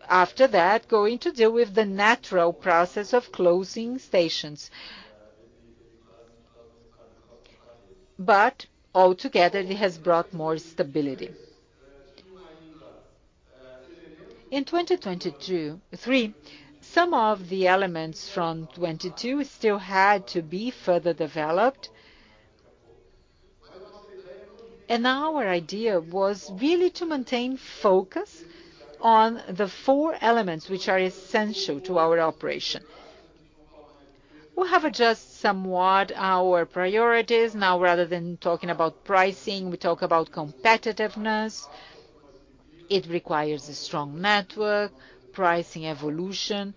[SPEAKER 2] after that, going to deal with the natural process of closing stations. But altogether, it has brought more stability. In 2022, 2023, some of the elements from 2022 still had to be further developed. Our idea was really to maintain focus on the four elements which are essential to our operation. We have adjusted somewhat our priorities. Now, rather than talking about pricing, we talk about competitiveness. It requires a strong network, pricing evolution,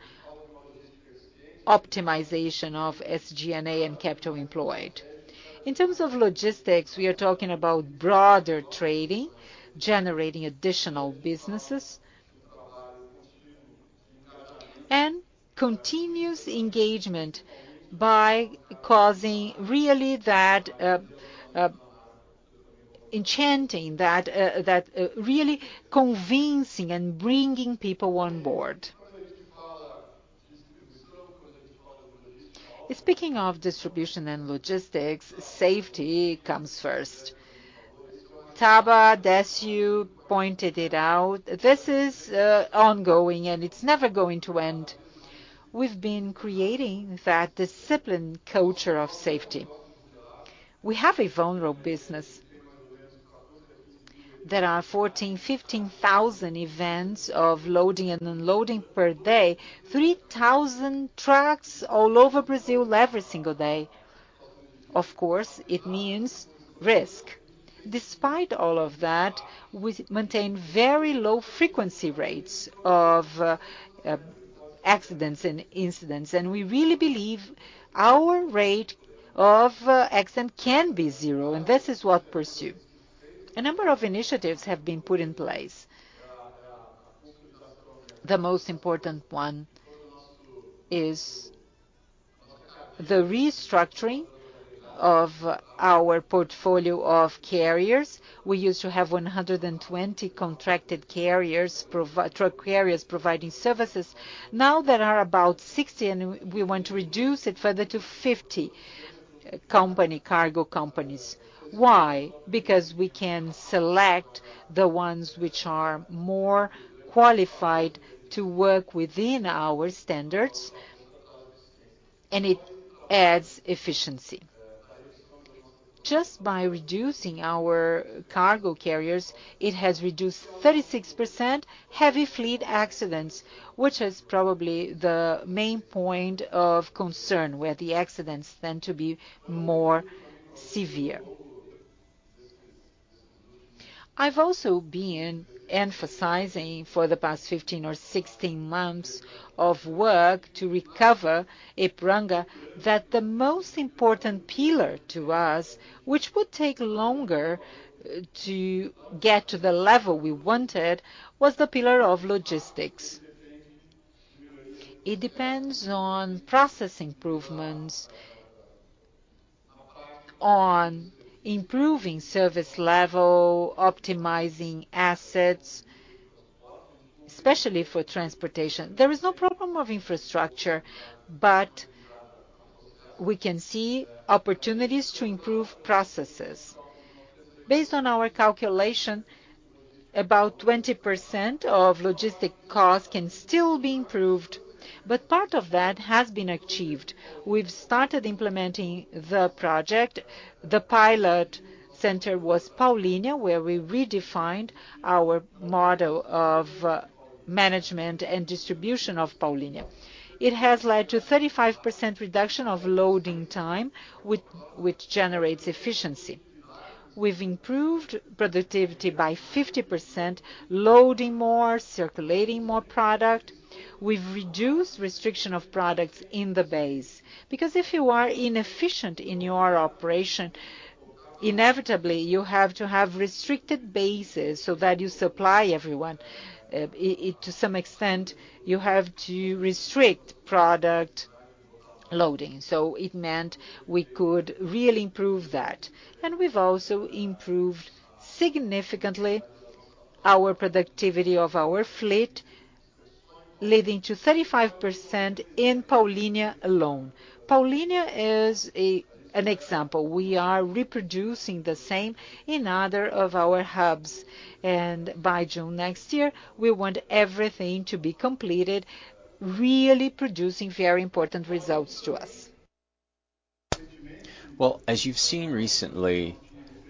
[SPEAKER 2] optimization of SG&A and capital employed. In terms of logistics, we are talking about broader trading, generating additional businesses, and continuous engagement by really convincing and bringing people on board. Speaking of distribution and logistics, safety comes first. Tabajara pointed it out. This is ongoing, and it's never going to end. We've been creating that discipline culture of safety. We have a vulnerable business. There are 14,000-15,000 events of loading and unloading per day, 3,000 trucks all over Brazil every single day. Of course, it means risk. Despite all of that, we maintain very low frequency rates of accidents and incidents, and we really believe our rate of accident can be zero, and this is what pursue. A number of initiatives have been put in place. The most important one is the restructuring of our portfolio of carriers. We used to have 120 contracted carriers, truck carriers providing services. Now, there are about 60, and we want to reduce it further to 50 cargo companies. Why? Because we can select the ones which are more qualified to work within our standards, and it adds efficiency. Just by reducing our cargo carriers, it has reduced 36% heavy fleet accidents, which is probably the main point of concern, where the accidents tend to be more severe. I've also been emphasizing for the past 15 or 16 months of work to recover Ipiranga, that the most important pillar to us, which would take longer to get to the level we wanted, was the pillar of logistics. It depends on process improvements, on improving service level, optimizing assets, especially for transportation. There is no problem of infrastructure, but we can see opportunities to improve processes. Based on our calculation, about 20% of logistics costs can still be improved, but part of that has been achieved. We've started implementing the project. The pilot center was Paulínia, where we redefined our model of management and distribution of Paulínia. It has led to 35% reduction of loading time, which generates efficiency. We've improved productivity by 50%, loading more, circulating more product. We've reduced restriction of products in the base, because if you are inefficient in your operation, inevitably, you have to have restricted bases so that you supply everyone. To some extent, you have to restrict product loading. So it meant we could really improve that. And we've also improved significantly our productivity of our fleet, leading to 35% in Paulínia alone. Paulínia is an example. We are reproducing the same in other of our hubs, and by June next year, we want everything to be completed, really producing very important results to us.
[SPEAKER 3] Well, as you've seen recently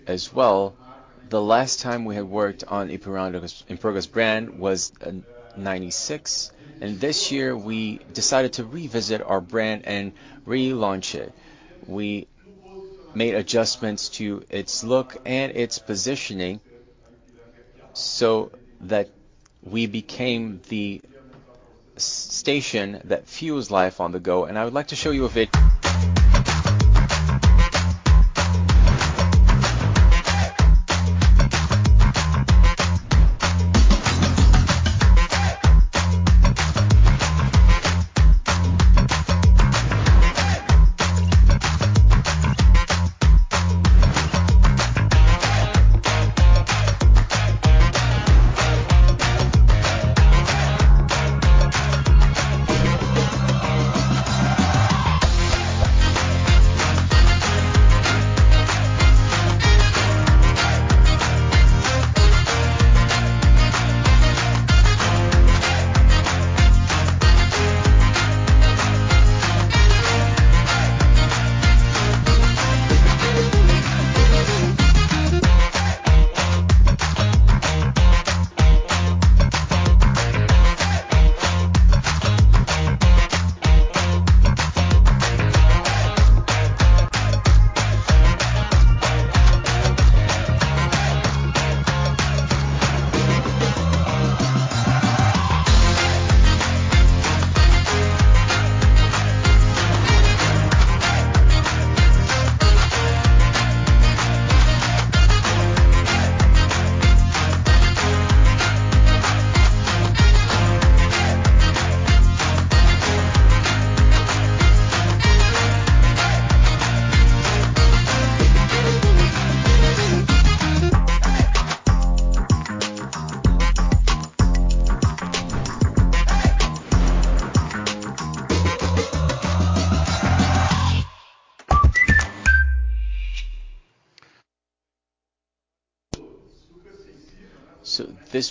[SPEAKER 3] as well, the last time we had worked on Ipiranga's brand was in 1996, and this year, we decided to revisit our brand and relaunch it. We made adjustments to its look and its positioning so that we became the service station that fuels life on the go, and I would like to show you a video.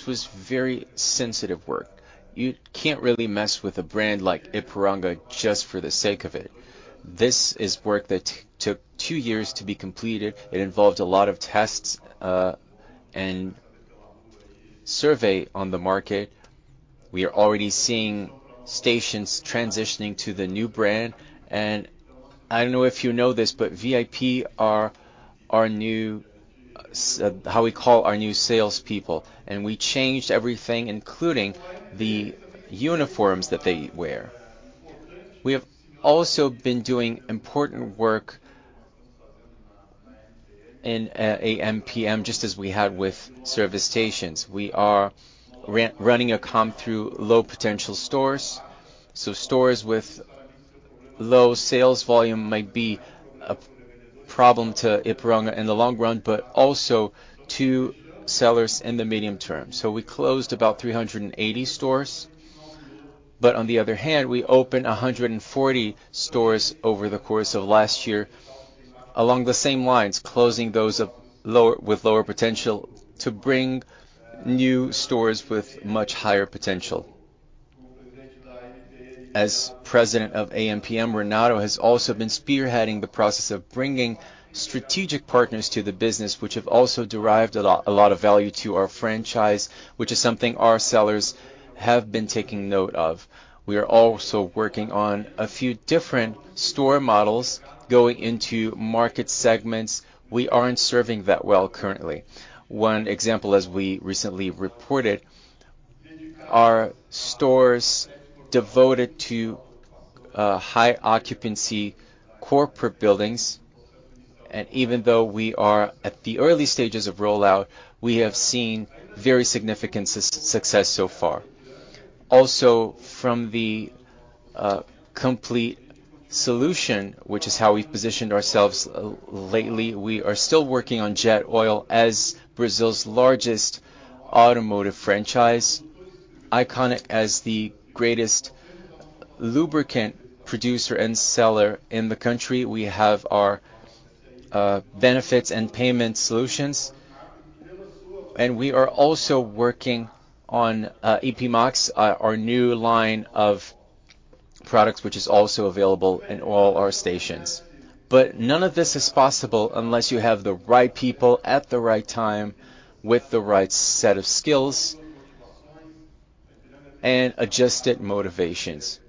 [SPEAKER 3] So this was very sensitive work. You can't really mess with a brand like Ipiranga just for the sake of it. This is work that took two years to be completed. It involved a lot of tests and survey on the market. We are already seeing stations transitioning to the new brand, and I don't know if you know this, but VIP are our new salespeople, and we changed everything, including the uniforms that they wear. We have also been doing important work in AmPm, just as we had with service stations. We are re-running a comb through low-potential stores. So stores with low sales volume might be a problem to Ipiranga in the long run, but also to sellers in the medium term. So we closed about 300 stores, but on the other hand, we opened 140 stores over the course of last year. Along the same lines, closing those with lower potential to bring new stores with much higher potential. As President of AmPm, Renato has also been spearheading the process of bringing strategic partners to the business, which have also derived a lot of value to our franchise, which is something our sellers have been taking note of. We are also working on a few different store models going into market segments we aren't serving that well currently. One example, as we recently reported, are stores devoted to high-occupancy corporate buildings, and even though we are at the early stages of rollout, we have seen very significant success so far. Also, from the complete solution, which is how we've positioned ourselves lately, we are still working on Jet Oil as Brazil's largest automotive franchise, ICONIC as the greatest lubricant producer and seller in the country. We have our benefits and payment solutions, and we are also working on Ipimax, our new line of products, which is also available in all our stations. But none of this is possible unless you have the right people at the right time, with the right set of skills and adjusted motivations.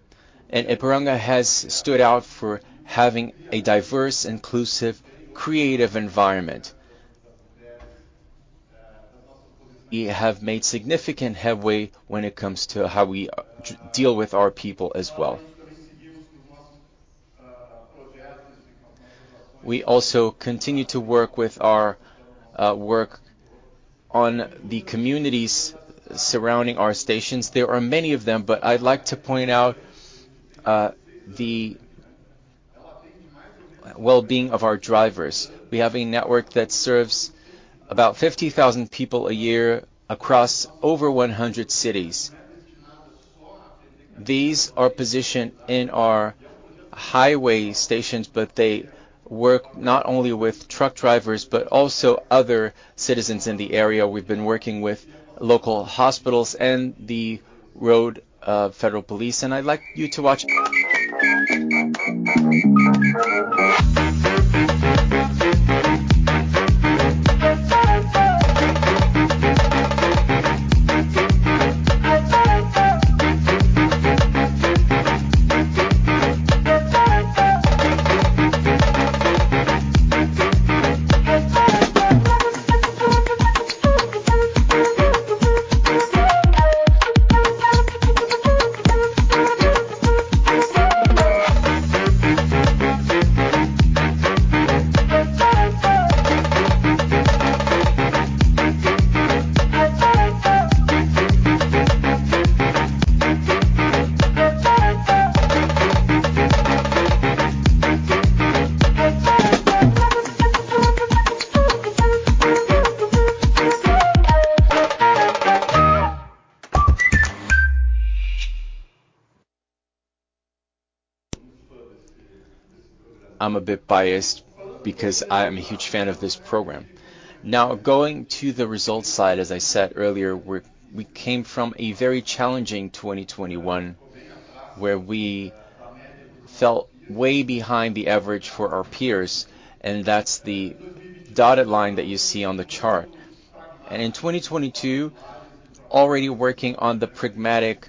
[SPEAKER 3] And Ipiranga has stood out for having a diverse, inclusive, creative environment. We have made significant headway when it comes to how we deal with our people as well. We also continue to work on the communities surrounding our stations. There are many of them, but I'd like to point out the well-being of our drivers. We have a network that serves about 50,000 people a year across over 100 cities. These are positioned in our highway stations, but they work not only with truck drivers, but also other citizens in the area. We've been working with local hospitals and the road federal police, and I'd like you to watch... I'm a bit biased because I am a huge fan of this program. Now, going to the results side, as I said earlier, we came from a very challenging 2021, where we fell way behind the average for our peers, and that's the dotted line that you see on the chart. In 2022, already working on the pragmatic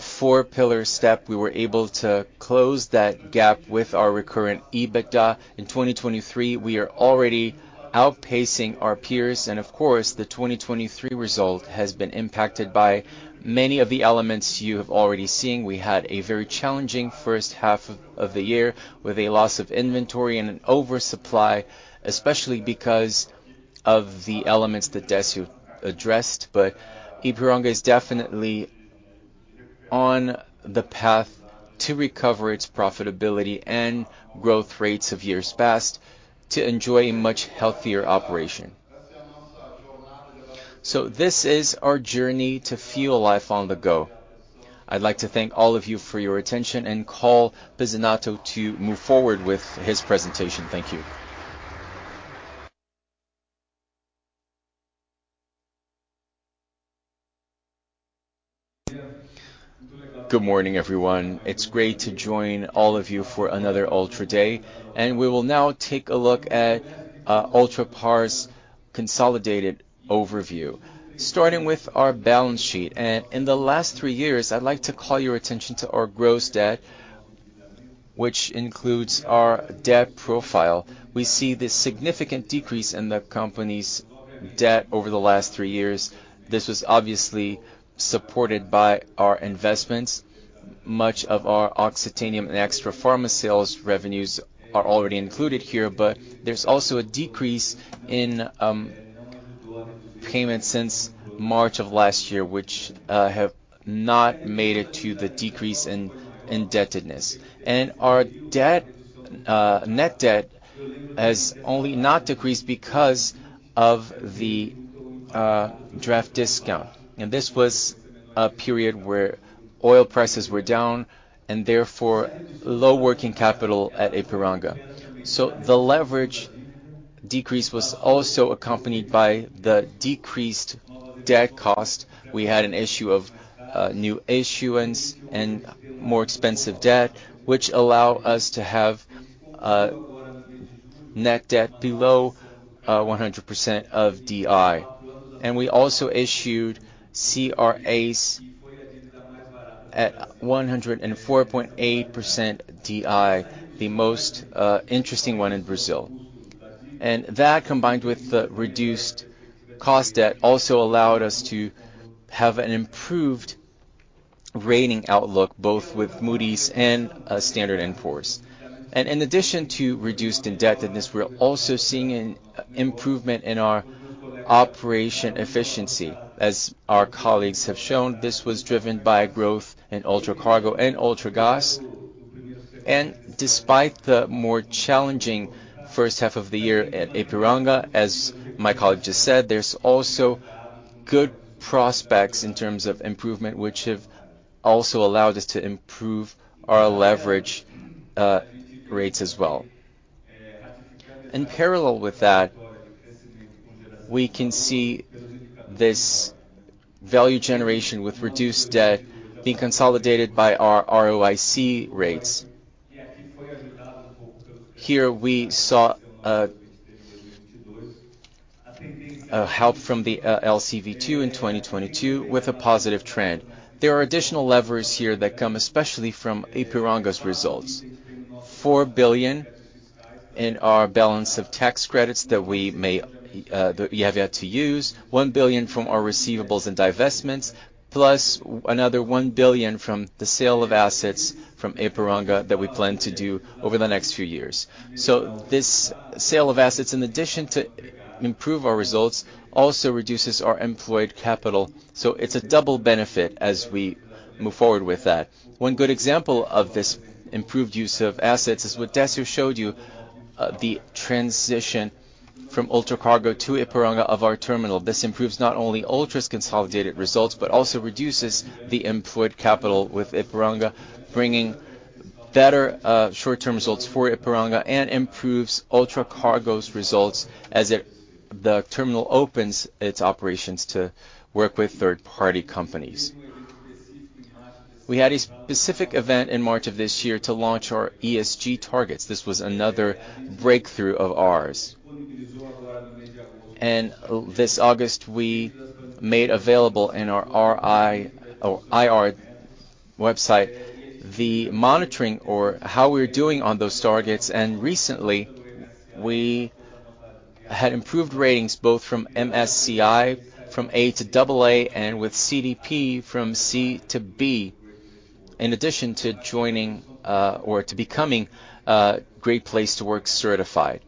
[SPEAKER 3] four-pillar step, we were able to close that gap with our recurrent EBITDA. In 2023, we are already outpacing our peers, and of course, the 2023 result has been impacted by many of the elements you have already seen. We had a very challenging H1 of the year with a loss of inventory and an oversupply, especially because of the elements that Décio addressed. But Ipiranga is definitely on the path to recover its profitability and growth rates of years past to enjoy a much healthier operation. So this is our journey to fuel life on the go. I'd like to thank all of you for your attention and call Pizzinatto to move forward with his presentation. Thank you. Good morning, everyone. It's great to join all of you for another Ultra Day, and we will now take a look at Ultrapar's consolidated overview. Starting with our balance sheet, and in the last three years, I'd like to call your attention to our gross debt, which includes our debt profile. We see this significant decrease in the company's debt over the last three years. This was obviously supported by our investments. Much of our Oxiteno and Extrafarma sales revenues are already included here, but there's also a decrease in payments since March of last year, which have not made it to the decrease in indebtedness. Our debt, net debt, has only not decreased because of the draft discount. This was a period where oil prices were down and therefore low working capital at Ipiranga. So the leverage decrease was also accompanied by the decreased debt cost. We had an issue of new issuance and more expensive debt, which allow us to have net debt below 100% of DI. We also issued CRAs at 104.8% DI, the most interesting one in Brazil. That, combined with the reduced cost debt, also allowed us to have an improved rating outlook, both with Moody's and Standard & Poor's. In addition to reduced indebtedness, we're also seeing an improvement in our operation efficiency. As our colleagues have shown, this was driven by growth in Ultracargo and Ultragaz. Despite the more challenging H1 of the year at Ipiranga, as my colleague just said, there's also good prospects in terms of improvement, which have also allowed us to improve our leverage rates as well. In parallel with that, we can see this value generation with reduced debt being consolidated by our ROIC rates. Here we saw a help from the LC 192 in 2022 with a positive trend. There are additional levers here that come especially from Ipiranga's results. 4 billion in our balance of tax credits that we may that we have yet to use, 1 billion from our receivables and divestments, plus another 1 billion from the sale of assets from Ipiranga that we plan to do over the next few years. So this sale of assets, in addition to improve our results, also reduces our employed capital, so it's a double benefit as we move forward with that. One good example of this improved use of assets is what Décio showed you, the transition from Ultracargo to Ipiranga of our terminal. This improves not only Ultra's consolidated results, but also reduces the employed capital with Ipiranga, bringing better short-term results for Ipiranga and improves Ultracargo's results as the terminal opens its operations to work with third-party companies. We had a specific event in March of this year to launch our ESG targets. This was another breakthrough of ours. This August, we made available in our RI or IR website the monitoring or how we're doing on those targets, and recently, we had improved ratings, both from MSCI, from A to AA, and with CDP from C to B, in addition to joining or to becoming a Great Place to Work certified.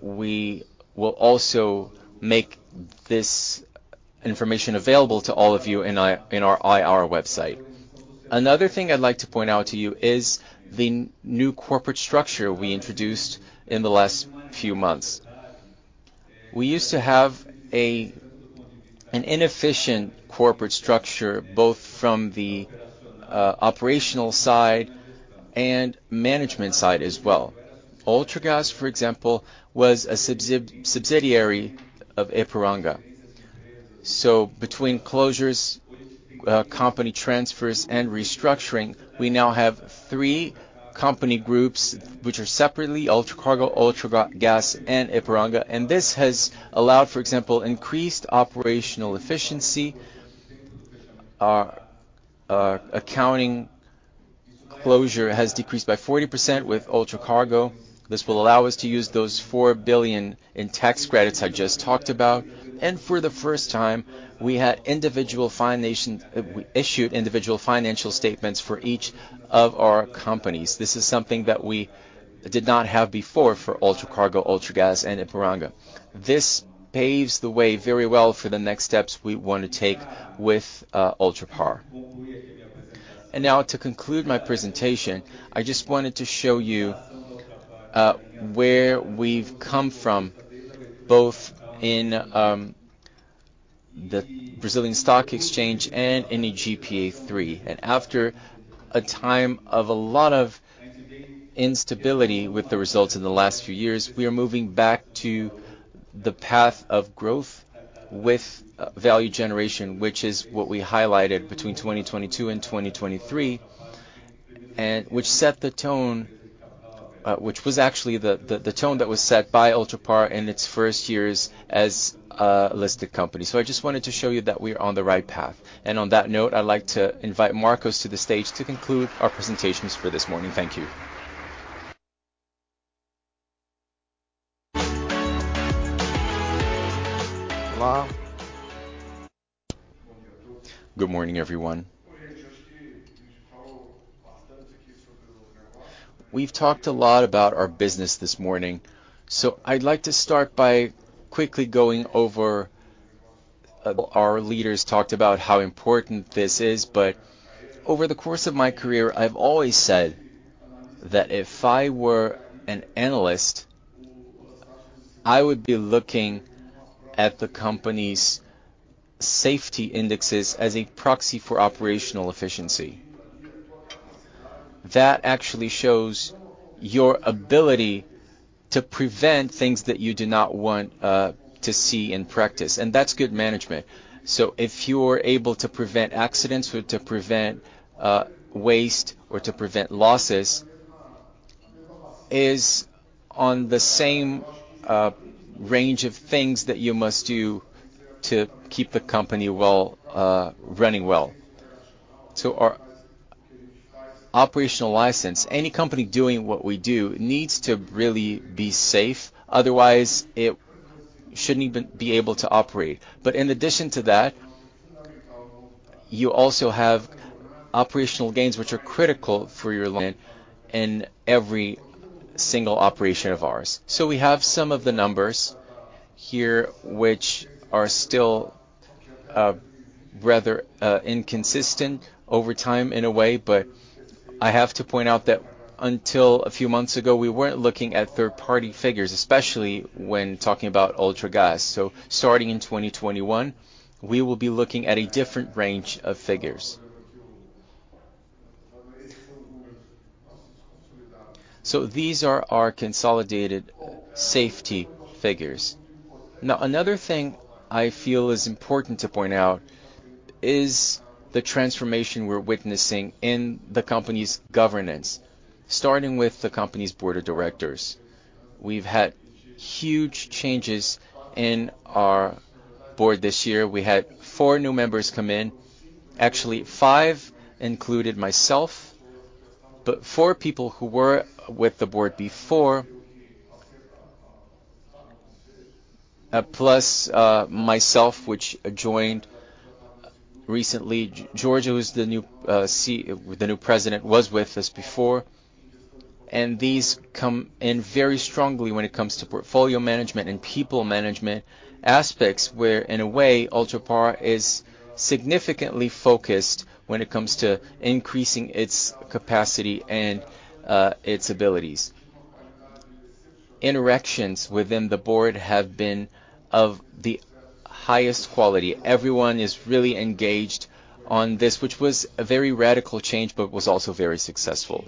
[SPEAKER 3] We will also make this information available to all of you in our IR website... Another thing I'd like to point out to you is the new corporate structure we introduced in the last few months. We used to have an inefficient corporate structure, both from the operational side and management side as well. Ultragaz, for example, was a subsidiary of Ipiranga. So between closures, company transfers, and restructuring, we now have three company groups, which are separately Ultracargo, Ultragaz, and Ipiranga, and this has allowed, for example, increased operational efficiency. Our accounting closure has decreased by 40% with Ultracargo. This will allow us to use those 4 billion in tax credits I just talked about. For the first time, we issued individual financial statements for each of our companies. This is something that we did not have before for Ultracargo, Ultragaz, and Ipiranga. This paves the way very well for the next steps we want to take with Ultrapar. Now, to conclude my presentation, I just wanted to show you where we've come from, both in the Brazilian Stock Exchange and in the UGPA3. After a time of a lot of instability with the results in the last few years, we are moving back to the path of growth with value generation, which is what we highlighted between 2022 and 2023, and which set the tone, which was actually the tone that was set by Ultrapar in its first years as a listed company. So I just wanted to show you that we are on the right path. And on that note, I'd like to invite Marcos to the stage to conclude our presentations for this morning. Thank you. Good morning, everyone. We've talked a lot about our business this morning, so I'd like to start by quickly going over... Our leaders talked about how important this is, but over the course of my career, I've always said that if I were an analyst, I would be looking at the company's safety indexes as a proxy for operational efficiency. That actually shows your ability to prevent things that you do not want to see in practice, and that's good management. So if you're able to prevent accidents or to prevent waste, or to prevent losses, is on the same range of things that you must do to keep the company well running well. So our operational license, any company doing what we do needs to really be safe, otherwise it shouldn't even be able to operate. But in addition to that, you also have operational gains, which are critical for your line in every single operation of ours. So we have some of the numbers here, which are still rather inconsistent over time, in a way, but I have to point out that until a few months ago, we weren't looking at third-party figures, especially when talking about Ultragaz. So starting in 2021, we will be looking at a different range of figures. So these are our consolidated safety figures. Now, another thing I feel is important to point out is the transformation we're witnessing in the company's governance, starting with the company's board of directors. We've had huge changes in our board this year. We had four new members come in. Actually, five, including myself, but four people who were with the board before, plus myself, which joined recently. Jorge was the new C... The new president was with us before, and these come in very strongly when it comes to portfolio management and people management aspects, where, in a way, Ultrapar is significantly focused when it comes to increasing its capacity and its abilities. Interactions within the board have been of the highest quality. Everyone is really engaged on this, which was a very radical change, but was also very successful.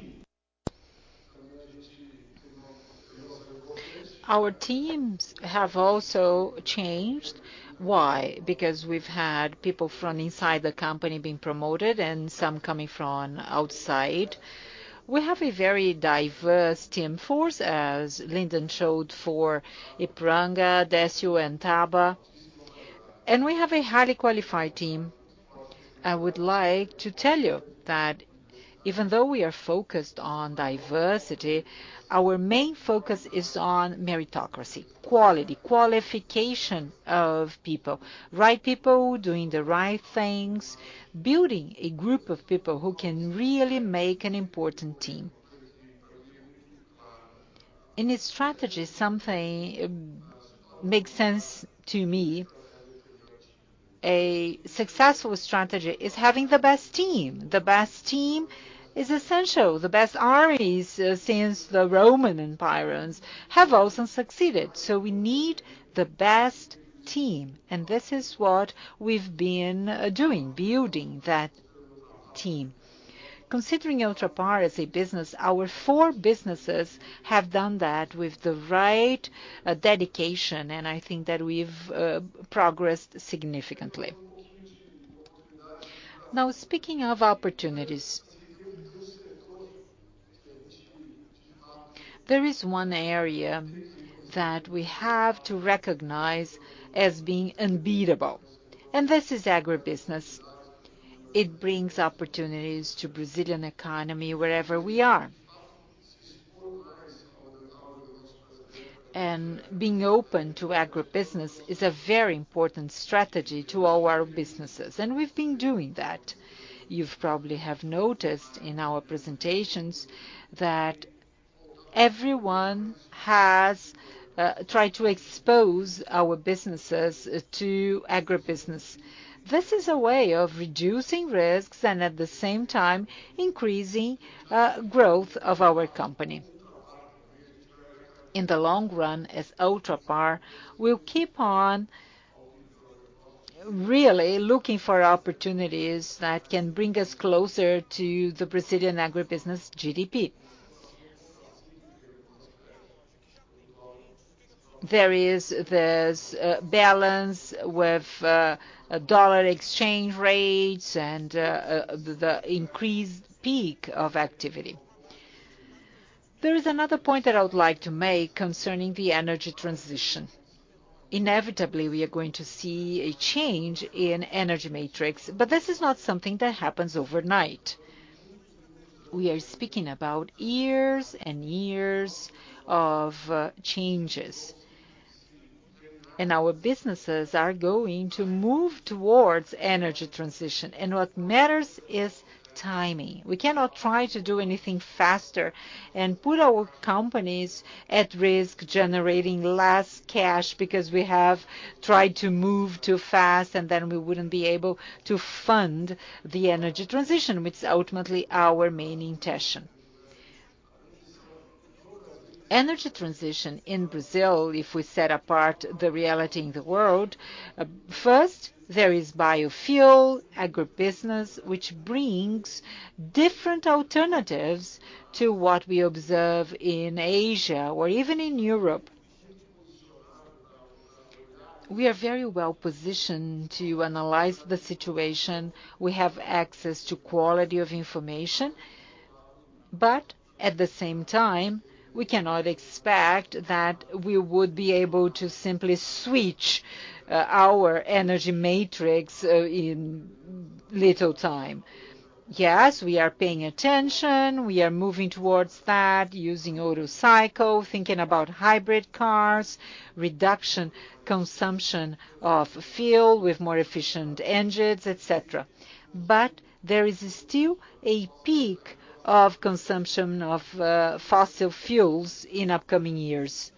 [SPEAKER 2] Our teams have also changed. Why? Because we've had people from inside the company being promoted and some coming from outside. We have a very diverse team force, as Leonardo showed for Ipiranga, Décio, and Tabajara, and we have a highly qualified team. I would like to tell you that even though we are focused on diversity, our main focus is on meritocracy, quality, qualification of people, right people doing the right things, building a group of people who can really make an important team. In its strategy, something makes sense to me. A successful strategy is having the best team. The best team is essential. The best armies, since the Roman Empires have also succeeded, so we need the best team, and this is what we've been, doing, building that team. Considering Ultrapar as a business, our four businesses have done that with the right, dedication, and I think that we've progressed significantly. Now, speaking of opportunities, there is one area that we have to recognize as being unbeatable, and this is agribusiness. It brings opportunities to Brazilian economy wherever we are. And being open to agribusiness is a very important strategy to all our businesses, and we've been doing that. You've probably have noticed in our presentations that everyone has tried to expose our businesses to agribusiness. This is a way of reducing risks, and at the same time, increasing growth of our company. In the long run, as Ultrapar, we'll keep on really looking for opportunities that can bring us closer to the Brazilian agribusiness GDP. There is this balance with dollar exchange rates and the increased peak of activity. There is another point that I would like to make concerning the energy transition. Inevitably, we are going to see a change in energy matrix, but this is not something that happens overnight. We are speaking about years and years of changes, and our businesses are going to move towards energy transition, and what matters is timing. We cannot try to do anything faster and put our companies at risk, generating less cash because we have tried to move too fast, and then we wouldn't be able to fund the energy transition, which is ultimately our main intention. Energy transition in Brazil, if we set apart the reality in the world, first, there is biofuel, agribusiness, which brings different alternatives to what we observe in Asia or even in Europe. We are very well positioned to analyze the situation. We have access to quality of information, but at the same time, we cannot expect that we would be able to simply switch, our energy matrix, in little time. Yes, we are paying attention. We are moving towards that, using Otto cycle, thinking about hybrid cars, reduction consumption of fuel with more efficient engines, et cetera. But there is still a peak of consumption of, fossil fuels in upcoming years.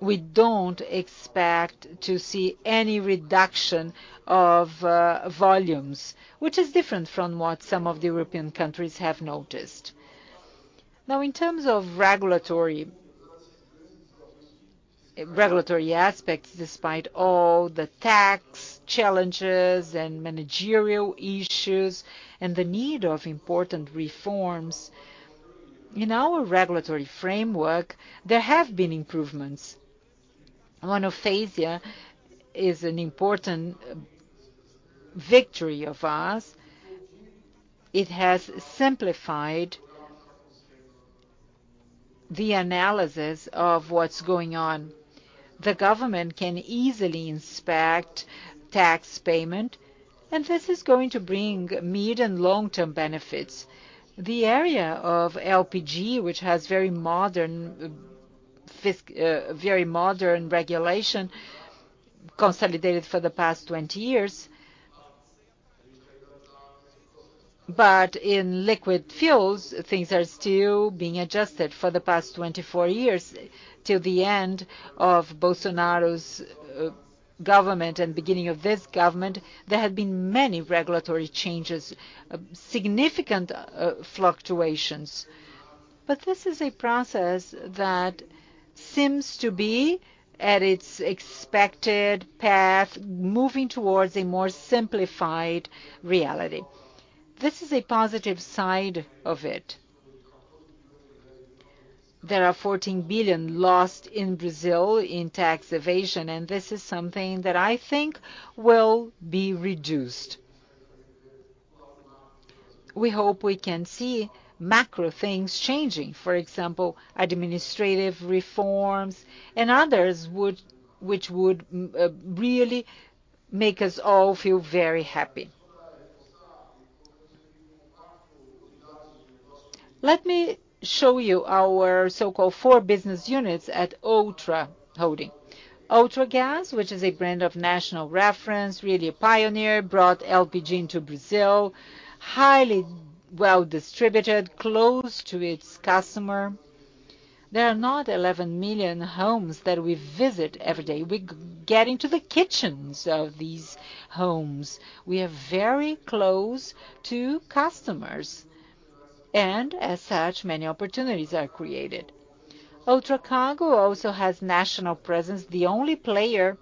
[SPEAKER 2] We don't expect to see any reduction of, volumes, which is different from what some of the European countries have noticed. Now, in terms of regulatory, regulatory aspects, despite all the tax challenges and managerial issues and the need of important reforms, in our regulatory framework, there have been improvements. Monofasia is an important victory of us. It has simplified the analysis of what's going on. The government can easily inspect tax payment, and this is going to bring mid- and long-term benefits. The area of LPG, which has very modern regulation, consolidated for the past 20 years, but in liquid fuels, things are still being adjusted. For the past 24 years, till the end of Bolsonaro's government and beginning of this government, there have been many regulatory changes, significant fluctuations. But this is a process that seems to be at its expected path, moving towards a more simplified reality. This is a positive side of it. There are 14 billion lost in Brazil in tax evasion, and this is something that I think will be reduced. We hope we can see macro things changing, for example, administrative reforms and others, which would really make us all feel very happy. Let me show you our so-called four business units at Ultrapar. Ultragaz, which is a brand of national reference, really a pioneer, brought LPG into Brazil, highly well distributed, close to its customer. There are not 11 million homes that we visit every day. We get into the kitchens of these homes. We are very close to customers, and as such, many opportunities are created. Ultracargo also has national presence, the only player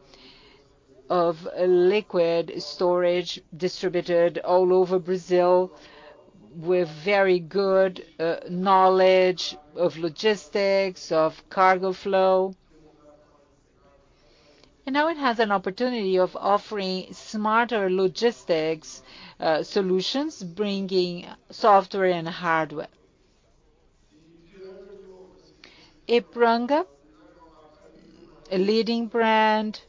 [SPEAKER 2] of liquid storage distributed all over Brazil with very good knowledge of logistics, of cargo flow. And now it has an opportunity of offering smarter logistics solutions, bringing software and hardware. Ipiranga, a leading brand,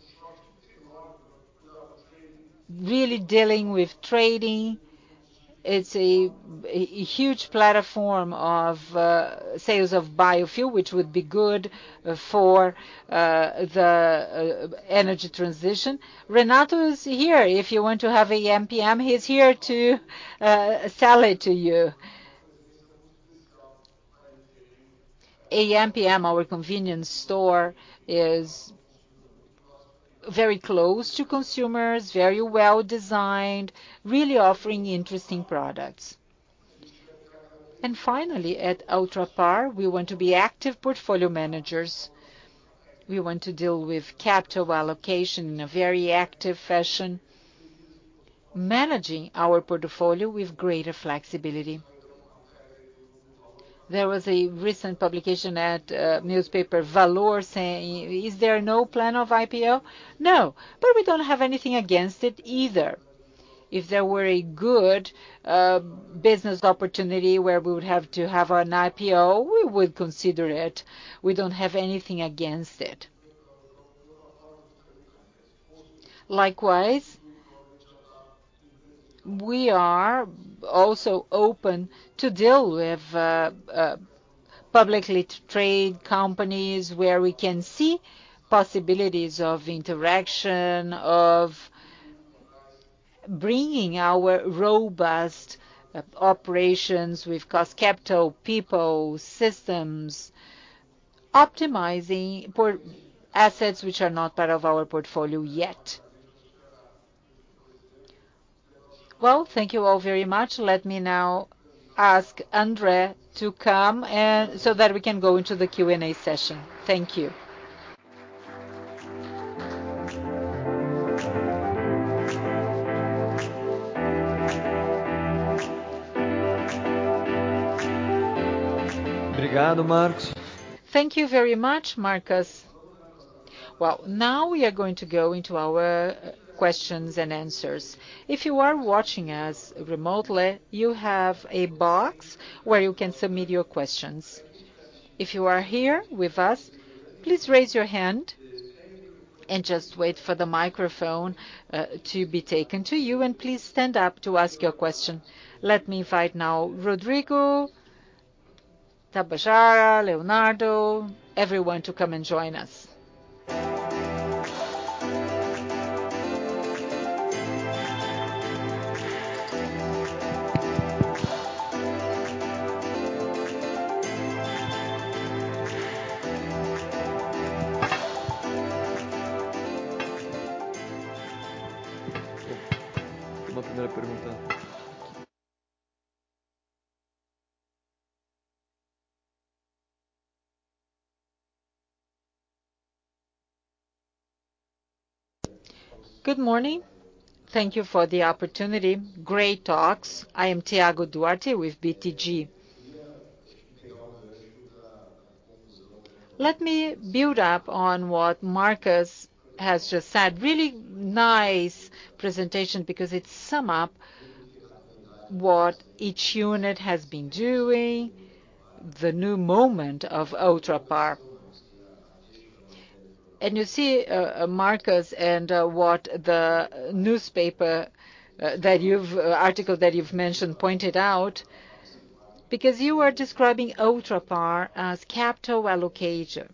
[SPEAKER 2] really dealing with trading. It's a huge platform of sales of biofuel, which would be good for the energy transition. Renato is here. If you want to have a AmPm, he's here to sell it to you. AmPm, our convenience store, is very close to consumers, very well-designed, really offering interesting products. And finally, at Ultrapar, we want to be active portfolio managers. We want to deal with capital allocation in a very active fashion, managing our portfolio with greater flexibility. There was a recent publication at newspaper Valor saying, "Is there no plan of IPO?" No, but we don't have anything against it either. If there were a good business opportunity where we would have to have an IPO, we would consider it. We don't have anything against it. Likewise, we are also open to deal with publicly traded companies, where we can see possibilities of interaction, of bringing our robust operations with cost, capital, people, systems, optimizing assets which are not part of our portfolio yet. Well, thank you all very much. Let me now ask Andre to come, and so that we can go into the Q&A session. Thank you. Thank you very much, Marcos. Well, now we are going to go into our questions and answers. If you are watching us remotely, you have a box where you can submit your questions. If you are here with us, please raise your hand and just wait for the microphone to be taken to you, and please stand up to ask your question. Let me invite now Rodrigo, Tabajara, Leonardo, everyone to come and join us. Good morning. Thank you for the opportunity. Great talks. I am Tiago Duarte with BTG. Let me build up on what Marcos has just said. Really nice presentation, because it sum up what each unit has been doing, the new moment of Ultrapar. And you see, Marcos, what the newspaper article that you've mentioned pointed out, because you were describing Ultrapar as capital allocator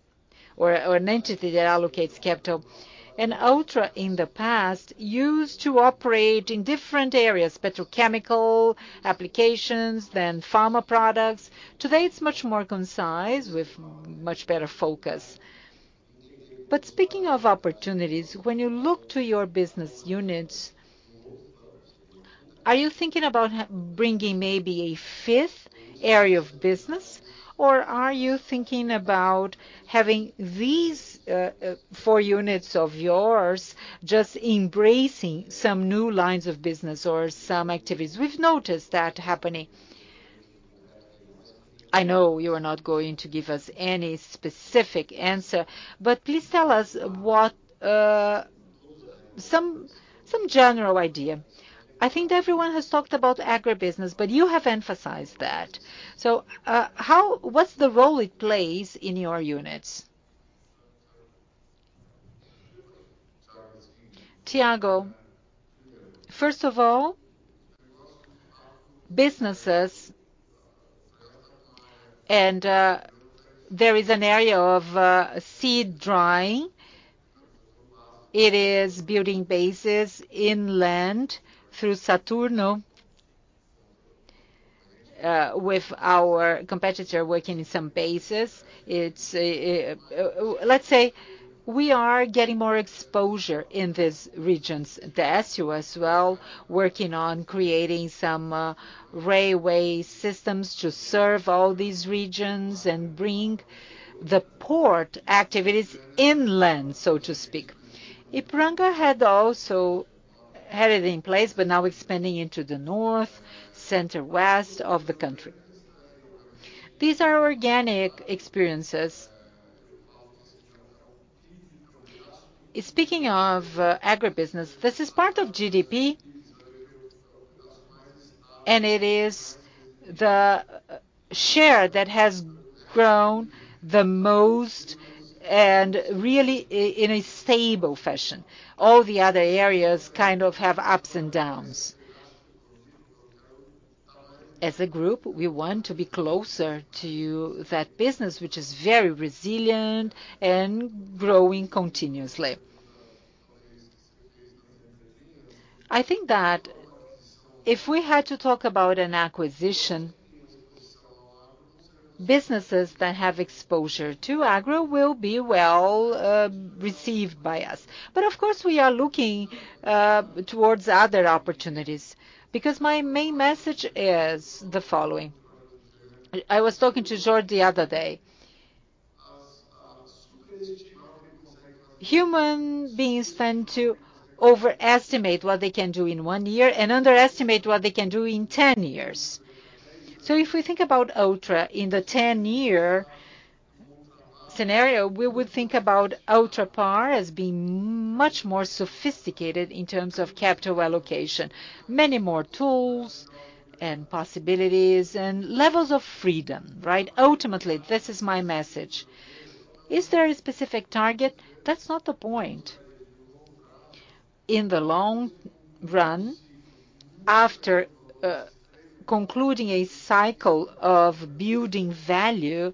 [SPEAKER 2] or an entity that allocates capital. And Ultra, in the past, used to operate in different areas: petrochemical applications, then pharma products. Today, it's much more concise, with much better focus. But speaking of opportunities, when you look to your business units, are you thinking about bringing maybe a fifth area of business, or are you thinking about having these four units of yours just embracing some new lines of business or some activities? We've noticed that happening. I know you are not going to give us any specific answer, but please tell us what some general idea. I think everyone has talked about agribusiness, but you have emphasized that. So, how—what's the role it plays in your units? Tiago, first of all, businesses-... and there is an area of seed drying. It is building bases inland through Saturno, with our competitor working in some bases. It's, let's say, we are getting more exposure in these regions. The South as well, working on creating some railway systems to serve all these regions and bring the port activities inland, so to speak. Ipiranga had also had it in place, but now expanding into the north, center, west of the country. These are organic experiences. Speaking of agribusiness, this is part of GDP, and it is the share that has grown the most and really in a stable fashion. All the other areas kind of have ups and downs. As a group, we want to be closer to that business, which is very resilient and growing continuously. I think that if we had to talk about an acquisition, businesses that have exposure to agro will be well received by us. But of course, we are looking towards other opportunities, because my main message is the following. I was talking to George the other day. Human beings tend to overestimate what they can do in one year and underestimate what they can do in ten years. So if we think about Ultra in the ten-year scenario, we would think about Ultrapar as being much more sophisticated in terms of capital allocation. Many more tools and possibilities and levels of freedom, right? Ultimately, this is my message. Is there a specific target? That's not the point. In the long run, after concluding a cycle of building value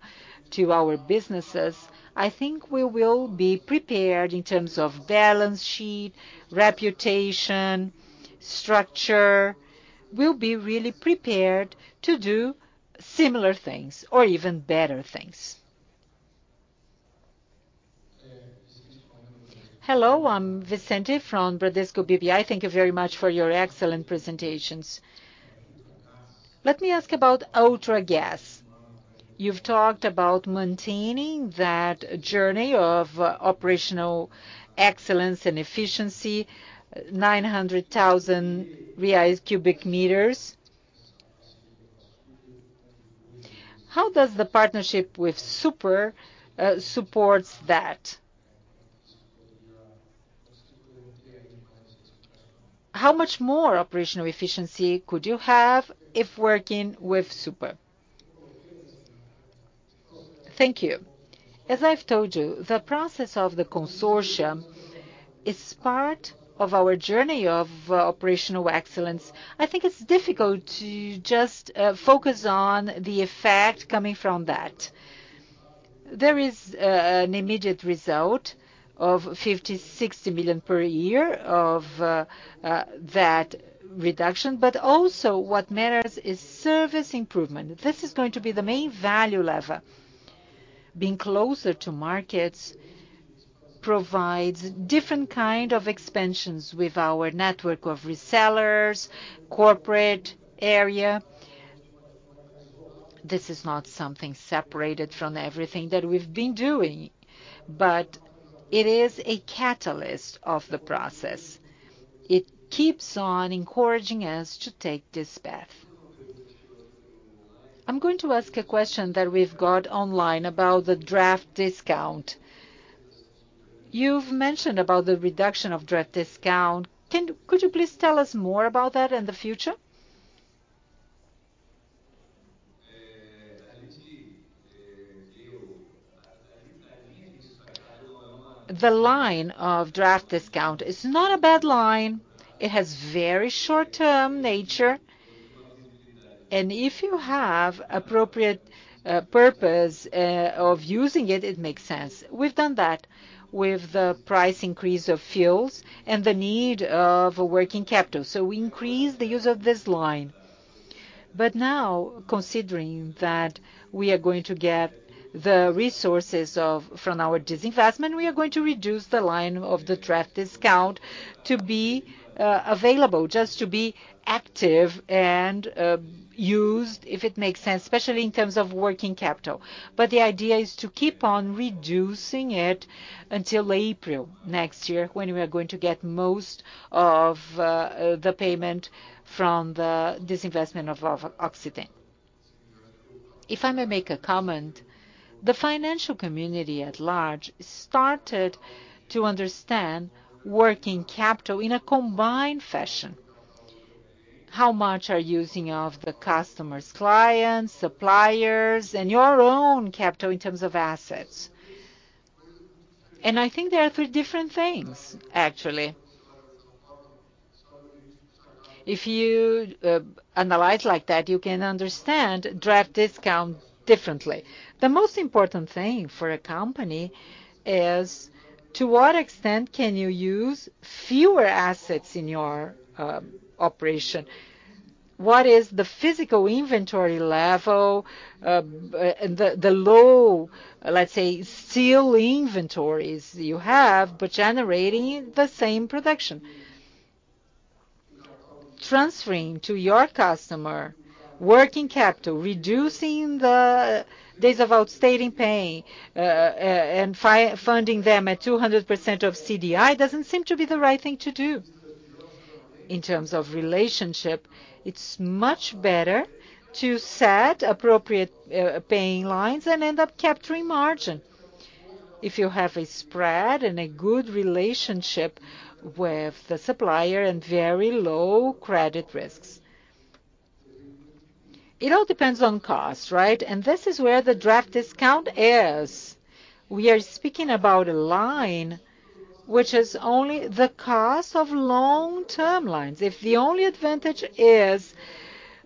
[SPEAKER 2] to our businesses, I think we will be prepared in terms of balance sheet, reputation, structure. We'll be really prepared to do similar things or even better things. Hello, I'm Vicente from Bradesco BBI. Thank you very much for your excellent presentations. Let me ask about Ultragaz. You've talked about maintaining that journey of operational excellence and efficiency, 900,000 reais cubic meters. How does the partnership with Super supports that? How much more operational efficiency could you have if working with Super? Thank you. As I've told you, the process of the consortium is part of our journey of operational excellence. I think it's difficult to just focus on the effect coming from that. There is an immediate result of 50-60 million per year of that reduction, but also what matters is service improvement. This is going to be the main value lever. Being closer to markets provides different kind of expansions with our network of resellers, corporate area. This is not something separated from everything that we've been doing, but it is a catalyst of the process. It keeps on encouraging us to take this path. I'm going to ask a question that we've got online about the draft discount. You've mentioned about the reduction of draft discount. Can you could you please tell us more about that in the future? The line of draft discount is not a bad line. It has very short-term nature, and if you have appropriate purpose of using it, it makes sense. We've done that with the price increase of fuels and the need of working capital, so we increased the use of this line. But now, considering that we are going to get the resources from our disinvestment, we are going to reduce the line of the draft discount to be available, just to be active and used if it makes sense, especially in terms of working capital. But the idea is to keep on reducing it until April next year, when we are going to get most of the payment from the disinvestment of Oxiteno. If I may make a comment, the financial community at large started to understand working capital in a combined fashion. How much are you using of the customers, clients, suppliers, and your own capital in terms of assets? And I think they are three different things, actually. If you analyze like that, you can understand draft discount differently. The most important thing for a company is to what extent can you use fewer assets in your operation? What is the physical inventory level, the low, let's say, steel inventories you have, but generating the same production? Transferring to your customer working capital, reducing the days of outstanding pay, and funding them at 200% of CDI doesn't seem to be the right thing to do. In terms of relationship, it's much better to set appropriate paying lines and end up capturing margin. If you have a spread and a good relationship with the supplier and very low credit risks. It all depends on cost, right? And this is where the draft discount is. We are speaking about a line which is only the cost of long-term lines. If the only advantage is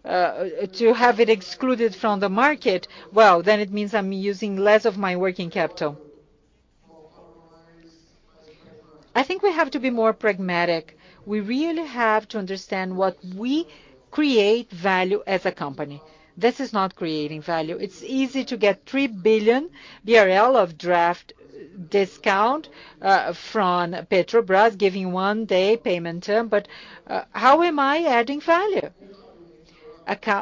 [SPEAKER 2] to have it excluded from the market, well, then it means I'm using less of my working capital. I think we have to be more pragmatic. We really have to understand what we create value as a company. This is not creating value. It's easy to get 3 billion BRL of draft discount from Petrobras, giving one-day payment term, but how am I adding value?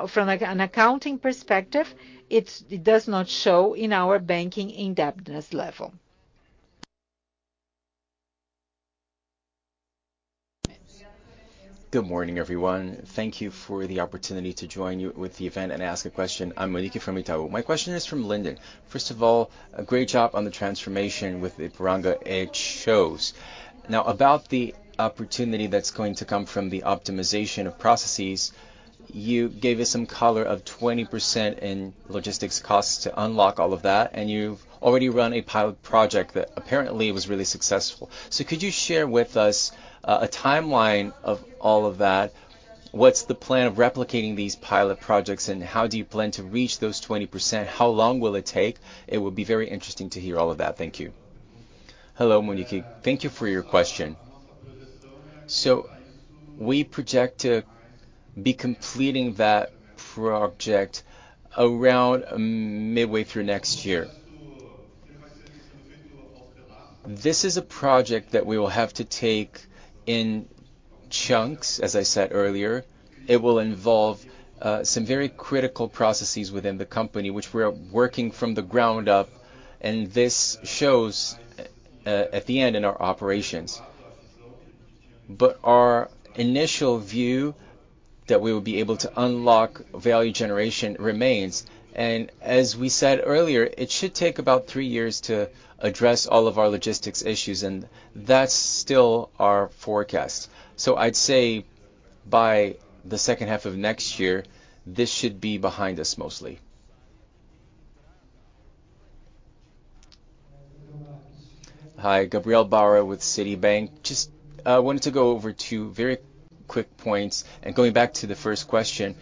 [SPEAKER 2] From, like, an accounting perspective, it does not show in our banking indebtedness level.
[SPEAKER 3] Good morning, everyone. Thank you for the opportunity to join you with the event and ask a question. I'm Monique from Itaú. My question is from Linden. First of all, a great job on the transformation with the Ipiranga. It shows. Now, about the opportunity that's going to come from the optimization of processes, you gave us some color of 20% in logistics costs to unlock all of that, and you've already run a pilot project that apparently was really successful. So could you share with us, a timeline of all of that? What's the plan of replicating these pilot projects, and how do you plan to reach those 20%? How long will it take? It would be very interesting to hear all of that. Thank you. Hello, Monique. Thank you for your question. So we project to be completing that project around midway through next year. This is a project that we will have to take in chunks, as I said earlier. It will involve some very critical processes within the company, which we are working from the ground up, and this shows at the end in our operations. But our initial view that we will be able to unlock value generation remains, and as we said earlier, it should take about three years to address all of our logistics issues, and that's still our forecast. So I'd say by the H2 of next year, this should be behind us mostly. Hi, Gabriel Barra with Citibank. Just wanted to go over two very quick points, and going back to the first question.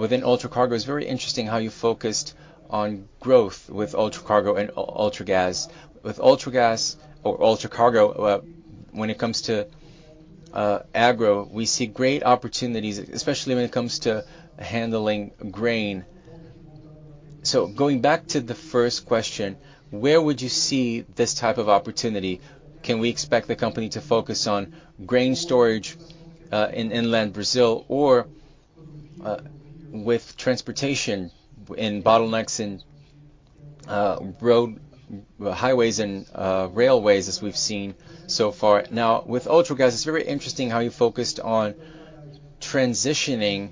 [SPEAKER 3] Within Ultracargo, it's very interesting how you focused on growth with Ultracargo and Ultragaz. With Ultragaz or Ultracargo, when it comes to, agro, we see great opportunities, especially when it comes to handling grain. So going back to the first question, where would you see this type of opportunity? Can we expect the company to focus on grain storage, in inland Brazil, or, with transportation in bottlenecks in, road, highways and, railways, as we've seen so far? Now, with Ultragaz, it's very interesting how you focused on transitioning,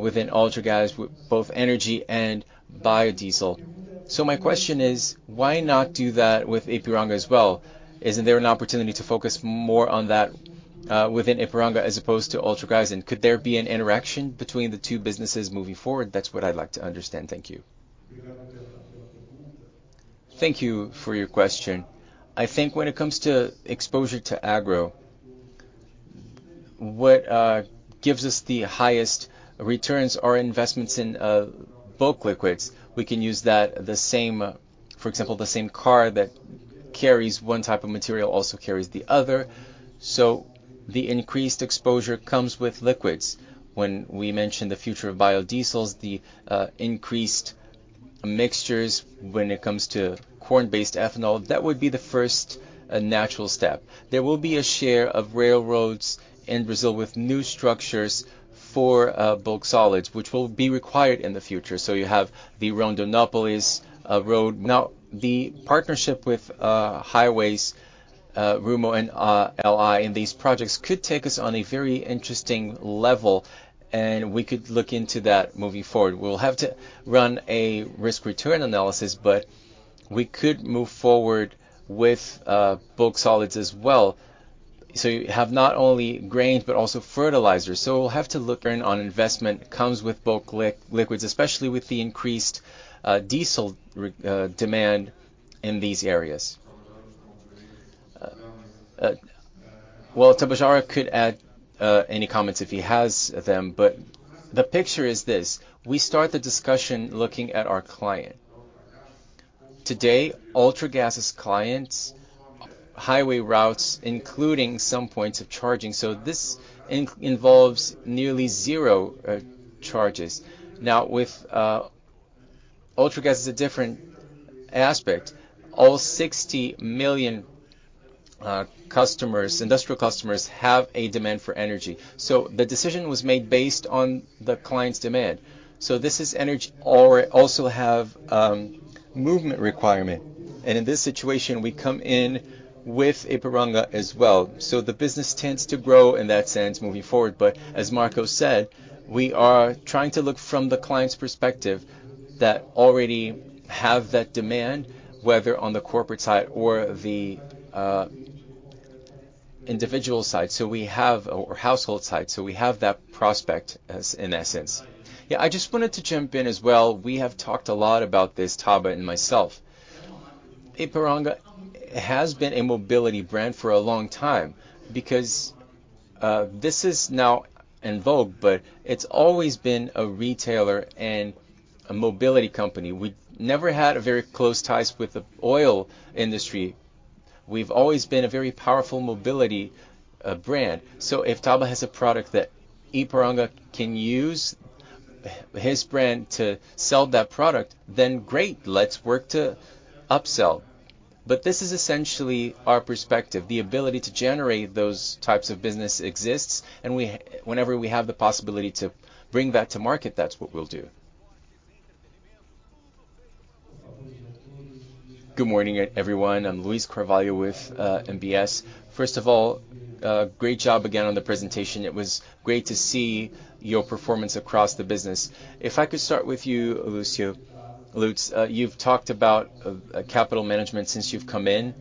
[SPEAKER 3] within Ultragaz with both energy and biodiesel. So my question is: why not do that with Ipiranga as well? Isn't there an opportunity to focus more on that, within Ipiranga, as opposed to Ultragaz, and could there be an interaction between the two businesses moving forward? That's what I'd like to understand. Thank you. Thank you for your question. I think when it comes to exposure to agro, what gives us the highest returns are investments in bulk liquids. We can use that the same. For example, the same car that carries one type of material also carries the other, so the increased exposure comes with liquids. When we mention the future of biodiesels, the increased mixtures when it comes to corn-based ethanol, that would be the first natural step. There will be a share of railroads in Brazil with new structures for bulk solids, which will be required in the future. So you have the Rondonópolis road. Now, the partnership with Hidrovias, Rumo and VLI in these projects could take us on a very interesting level, and we could look into that moving forward. We'll have to run a risk-return analysis, but we could move forward with bulk solids as well, so you have not only grains, but also fertilizers. So we'll have to look in on investment comes with bulk liquids, especially with the increased diesel demand in these areas. Well, Tabajara could add any comments if he has them, but the picture is this: we start the discussion looking at our client. Today, Ultragaz's clients, highway routes, including some points of charging, so this involves nearly zero charges. Now, with Ultragaz's different aspect, all 60 million customers, industrial customers, have a demand for energy. So the decision was made based on the client's demand. So this is energy. Or also have movement requirement, and in this situation, we come in with Ipiranga as well. So the business tends to grow in that sense moving forward. But as Marco said, we are trying to look from the client's perspective that already have that demand, whether on the corporate side or the, individual side. So we have or household side, so we have that prospect, as in essence. Yeah, I just wanted to jump in as well. We have talked a lot about this, Taba and myself. Ipiranga has been a mobility brand for a long time because, this is now en vogue, but it's always been a retailer and a mobility company. We've never had a very close ties with the oil industry. We've always been a very powerful mobility, brand. So if Taba has a product that Ipiranga can use his brand to sell that product, then great, let's work to upsell. But this is essentially our perspective, the ability to generate those types of business exists, and we... Whenever we have the possibility to bring that to market, that's what we'll do. Good morning, everyone. I'm Luis Carvalho with UBS. First of all, great job again on the presentation. It was great to see your performance across the business. If I could start with you, Lutz. You've talked about capital management since you've come in,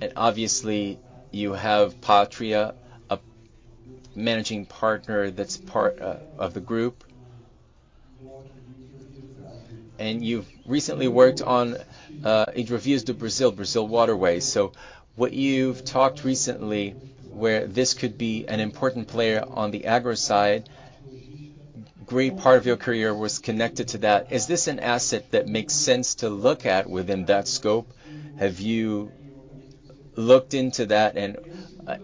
[SPEAKER 3] and obviously, you have Pátria, a managing partner that's part of the group. And you've recently worked on Hidrovias do Brasil, Brazil Waterway. So what you've talked recently, where this could be an important player on the agro side, great part of your career was connected to that. Is this an asset that makes sense to look at within that scope? Have you looked into that?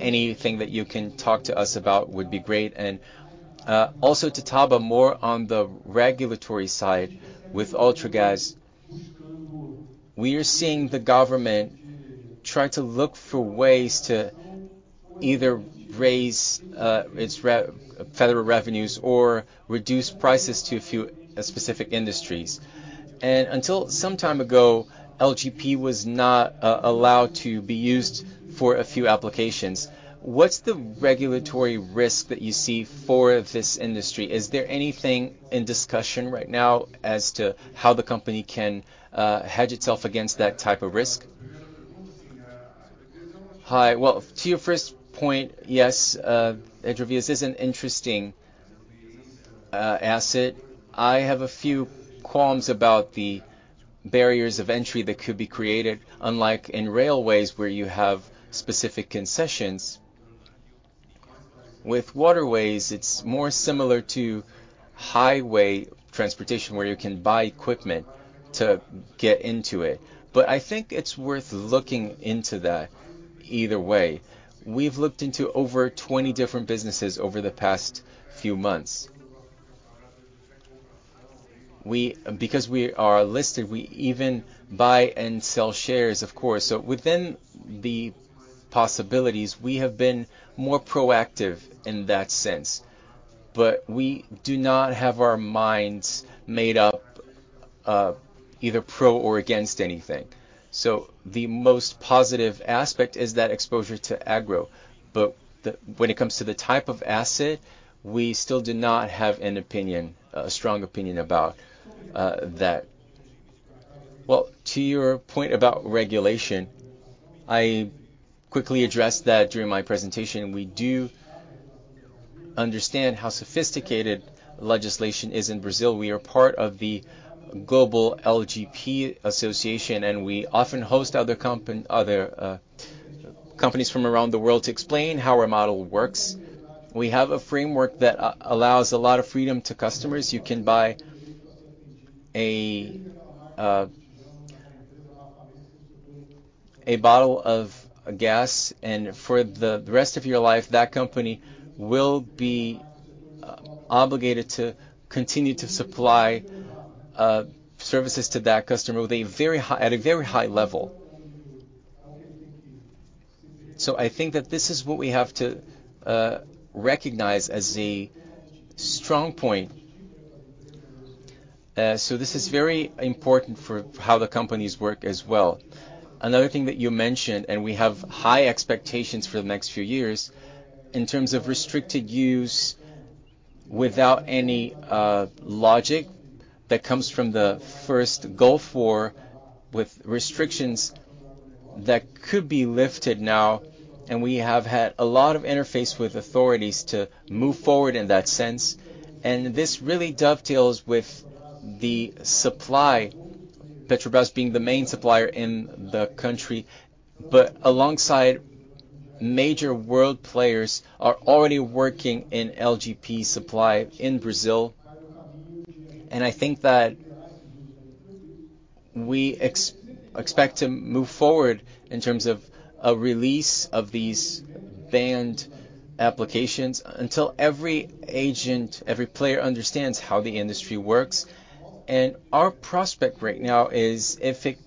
[SPEAKER 3] Anything that you can talk to us about would be great. Also to Taba, more on the regulatory side with Ultragaz. We are seeing the government try to look for ways to either raise its revenue, federal revenues or reduce prices to a few specific industries. Until some time ago, LPG was not allowed to be used for a few applications. What's the regulatory risk that you see for this industry? Is there anything in discussion right now as to how the company can hedge itself against that type of risk? Hi. Well, to your first point, yes, Hidrovias is an interesting asset. I have a few qualms about the barriers of entry that could be created, unlike in railways, where you have specific concessions. With waterways, it's more similar to highway transportation, where you can buy equipment to get into it. But I think it's worth looking into that either way. We've looked into over 20 different businesses over the past few months. We, because we are listed, we even buy and sell shares, of course. So within the possibilities, we have been more proactive in that sense, but we do not have our minds made up, either pro or against anything. So the most positive aspect is that exposure to agro. But the, when it comes to the type of asset, we still do not have an opinion, a strong opinion about, that. Well, to your point about regulation, I quickly addressed that during my presentation. We do understand how sophisticated legislation is in Brazil. We are part of the World LPG Association, and we often host other companies from around the world to explain how our model works. We have a framework that allows a lot of freedom to customers. You can buy a bottle of gas, and for the rest of your life, that company will be obligated to continue to supply services to that customer at a very high level. So I think that this is what we have to recognize as a strong point. So this is very important for how the companies work as well. Another thing that you mentioned, and we have high expectations for the next few years, in terms of restricted use without any logic that comes from the first Gulf War, with restrictions that could be lifted now, and we have had a lot of interface with authorities to move forward in that sense. This really dovetails with the supply, Petrobras being the main supplier in the country, but alongside major world players are already working in LPG supply in Brazil. I think that we expect to move forward in terms of a release of these banned applications until every agent, every player understands how the industry works. Our prospect right now is, if it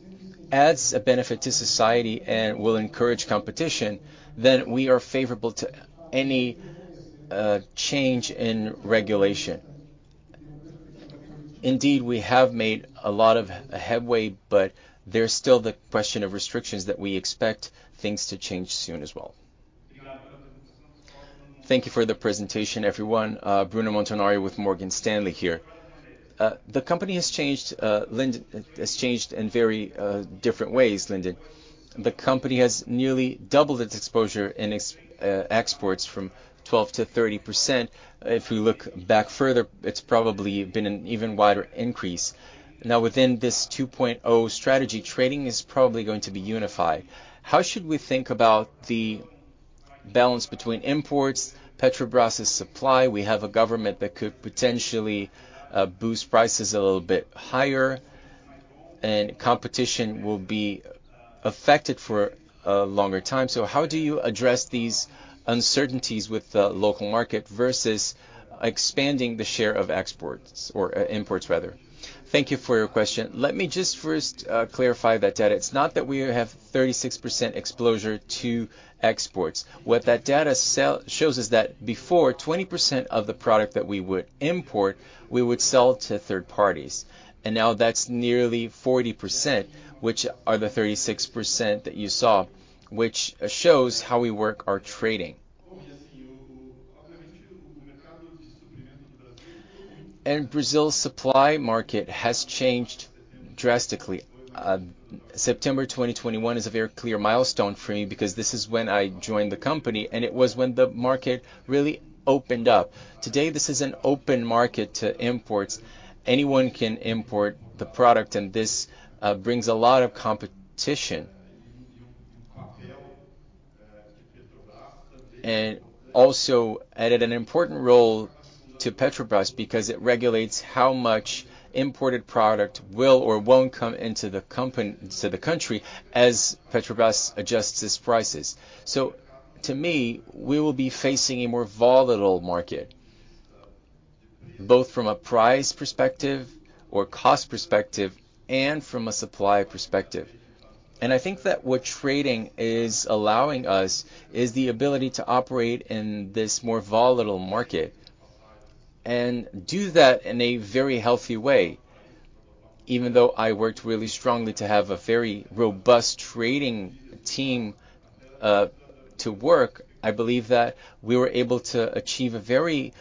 [SPEAKER 3] adds a benefit to society and will encourage competition, then we are favorable to any change in regulation. Indeed, we have made a lot of headway, but there's still the question of restrictions that we expect things to change soon as well. Thank you for the presentation, everyone. Bruno Montanari with Morgan Stanley here. The company has changed, Linden, has changed in very different ways, Linden. The company has nearly doubled its exposure in exports from 12%-30%. If we look back further, it's probably been an even wider increase. Now, within this 2.0 strategy, trading is probably going to be unified. How should we think about the balance between imports, Petrobras' supply? We have a government that could potentially boost prices a little bit higher, and competition will be affected for a longer time. So how do you address these uncertainties with the local market versus expanding the share of exports or imports, rather? Thank you for your question. Let me just first clarify that data. It's not that we have 36% exposure to exports. What that data shows is that before, 20% of the product that we would import, we would sell to third parties, and now that's nearly 40%, which are the 36% that you saw, which shows how we work our trading. And Brazil's supply market has changed drastically. September 2021 is a very clear milestone for me because this is when I joined the company, and it was when the market really opened up. Today, this is an open market to imports. Anyone can import the product, and this brings a lot of competition. also added an important role to Petrobras because it regulates how much imported product will or won't come into the company, into the country as Petrobras adjusts its prices. To me, we will be facing a more volatile market, both from a price perspective or cost perspective, and from a supply perspective. I think that what trading is allowing us is the ability to operate in this more volatile market and do that in a very healthy way. Even though I worked really strongly to have a very robust trading team, to work, I believe that we were able to achieve a very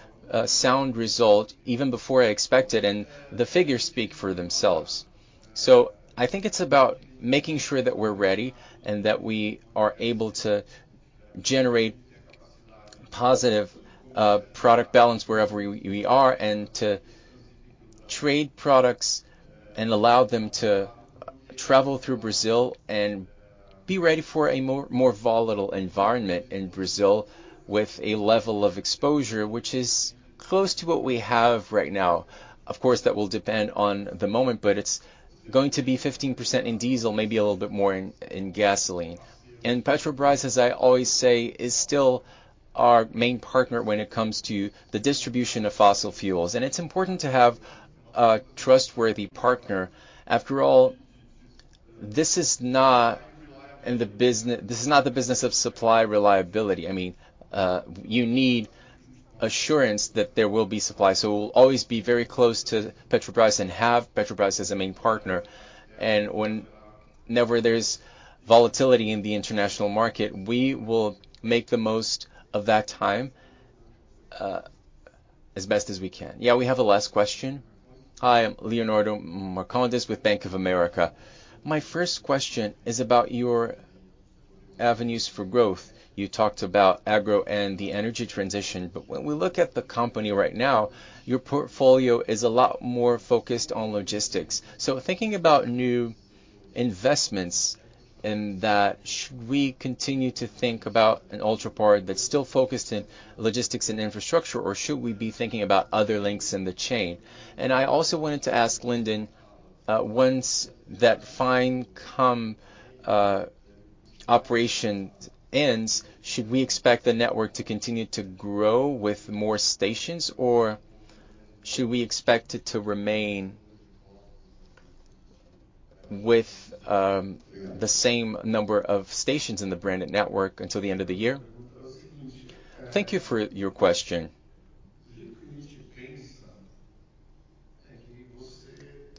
[SPEAKER 3] sound result even before I expected, and the figures speak for themselves. So I think it's about making sure that we're ready, and that we are able to generate positive product balance wherever we, we are, and to trade products and allow them to travel through Brazil, and be ready for a more, more volatile environment in Brazil with a level of exposure which is close to what we have right now. Of course, that will depend on the moment, but it's going to be 15% in diesel, maybe a little bit more in, in gasoline. And Petrobras, as I always say, is still our main partner when it comes to the distribution of fossil fuels, and it's important to have a trustworthy partner. After all, this is not in the business. This is not the business of supply reliability. I mean, you need assurance that there will be supply. So we'll always be very close to Petrobras and have Petrobras as a main partner. And whenever there's volatility in the international market, we will make the most of that time, as best as we can. Yeah, we have a last question. Hi, I'm Leonardo Marcondes with Bank of America. My first question is about your avenues for growth. You talked about agro and the energy transition, but when we look at the company right now, your portfolio is a lot more focused on logistics. So thinking about new investments in that, should we continue to think about an Ultrapar that's still focused in logistics and infrastructure, or should we be thinking about other links in the chain? And I also wanted to ask Linden, once that cleanup operation ends, should we expect the network to continue to grow with more stations, or should we expect it to remain with the same number of stations in the branded network until the end of the year? Thank you for your question.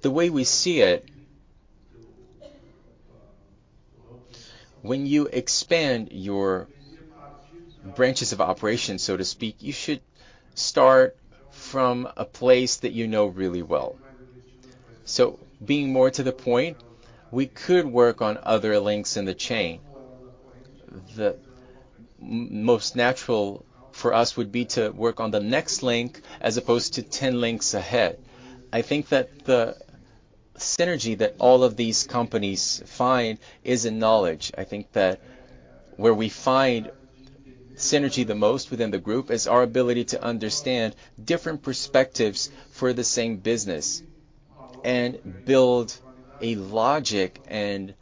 [SPEAKER 3] The way we see it, when you expand your branches of operations, so to speak, you should start from a place that you know really well. So being more to the point, we could work on other links in the chain. The most natural for us would be to work on the next link, as opposed to 10 links ahead. I think that the synergy that all of these companies find is in knowledge. I think that where we find synergy the most within the group is our ability to understand different perspectives for the same business, and build a logic and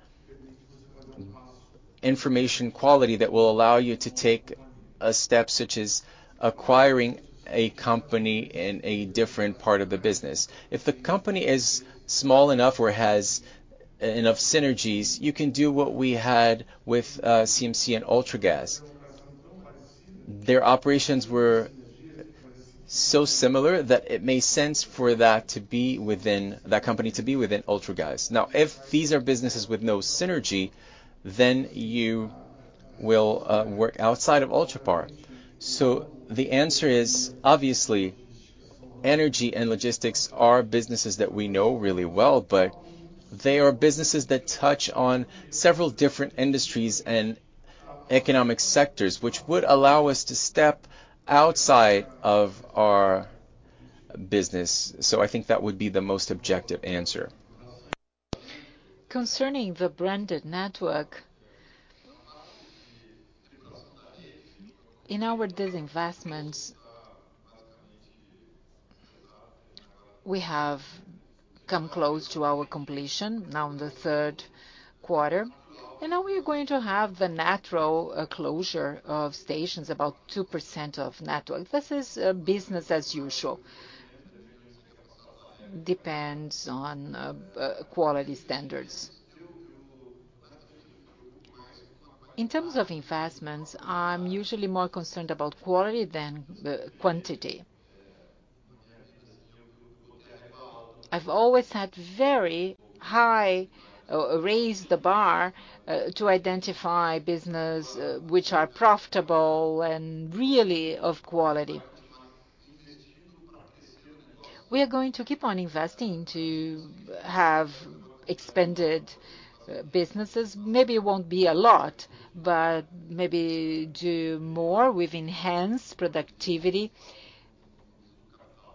[SPEAKER 3] information quality that will allow you to take a step, such as acquiring a company in a different part of the business. If the company is small enough or has enough synergies, you can do what we had with CMC and Ultragaz. Their operations were so similar that it made sense for that company to be within Ultragaz. Now, if these are businesses with no synergy, then you will work outside of Ultrapar. So the answer is, obviously, energy and logistics are businesses that we know really well, but they are businesses that touch on several different industries and economic sectors, which would allow us to step outside of our business. I think that would be the most objective answer.
[SPEAKER 2] Concerning the branded network, in our disinvestments, we have come close to our completion now in the third quarter, and now we are going to have the natural closure of stations, about 2% of network. This is business as usual. Depends on quality standards. In terms of investments, I'm usually more concerned about quality than the quantity. I've always had very high raised the bar to identify business which are profitable and really of quality. We are going to keep on investing to have expanded businesses. Maybe it won't be a lot, but maybe do more with enhanced productivity,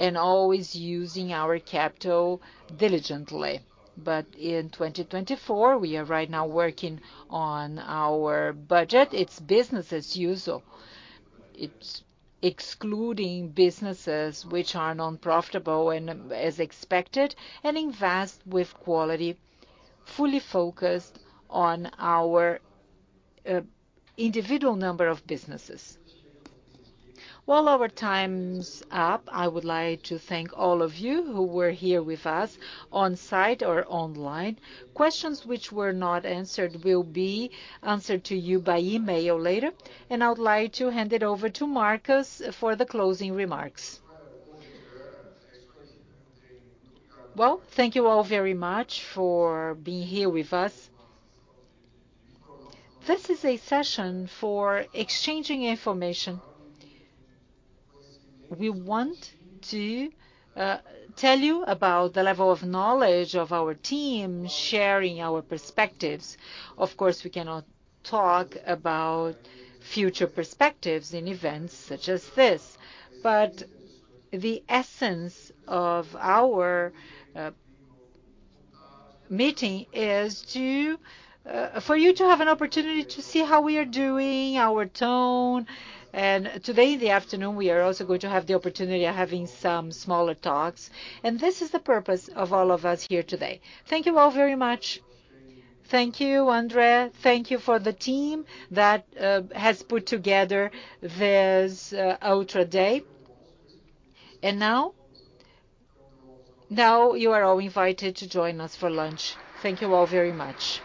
[SPEAKER 2] and always using our capital diligently. But in 2024, we are right now working on our budget. It's business as usual. It's excluding businesses which are non-profitable and as expected, and invest with quality, fully focused on our individual number of businesses. Well, our time's up. I would like to thank all of you who were here with us on site or online. Questions which were not answered will be answered to you by email later, and I would like to hand it over to Marcos for the closing remarks. Well, thank you all very much for being here with us. This is a session for exchanging information. We want to tell you about the level of knowledge of our team, sharing our perspectives. Of course, we cannot talk about future perspectives in events such as this, but the essence of our meeting is to... for you to have an opportunity to see how we are doing, our tone. Today, in the afternoon, we are also going to have the opportunity of having some smaller talks, and this is the purpose of all of us here today. Thank you all very much. Thank you, Andrea. Thank you for the team that has put together this Ultra Day. Now, now you are all invited to join us for lunch. Thank you all very much.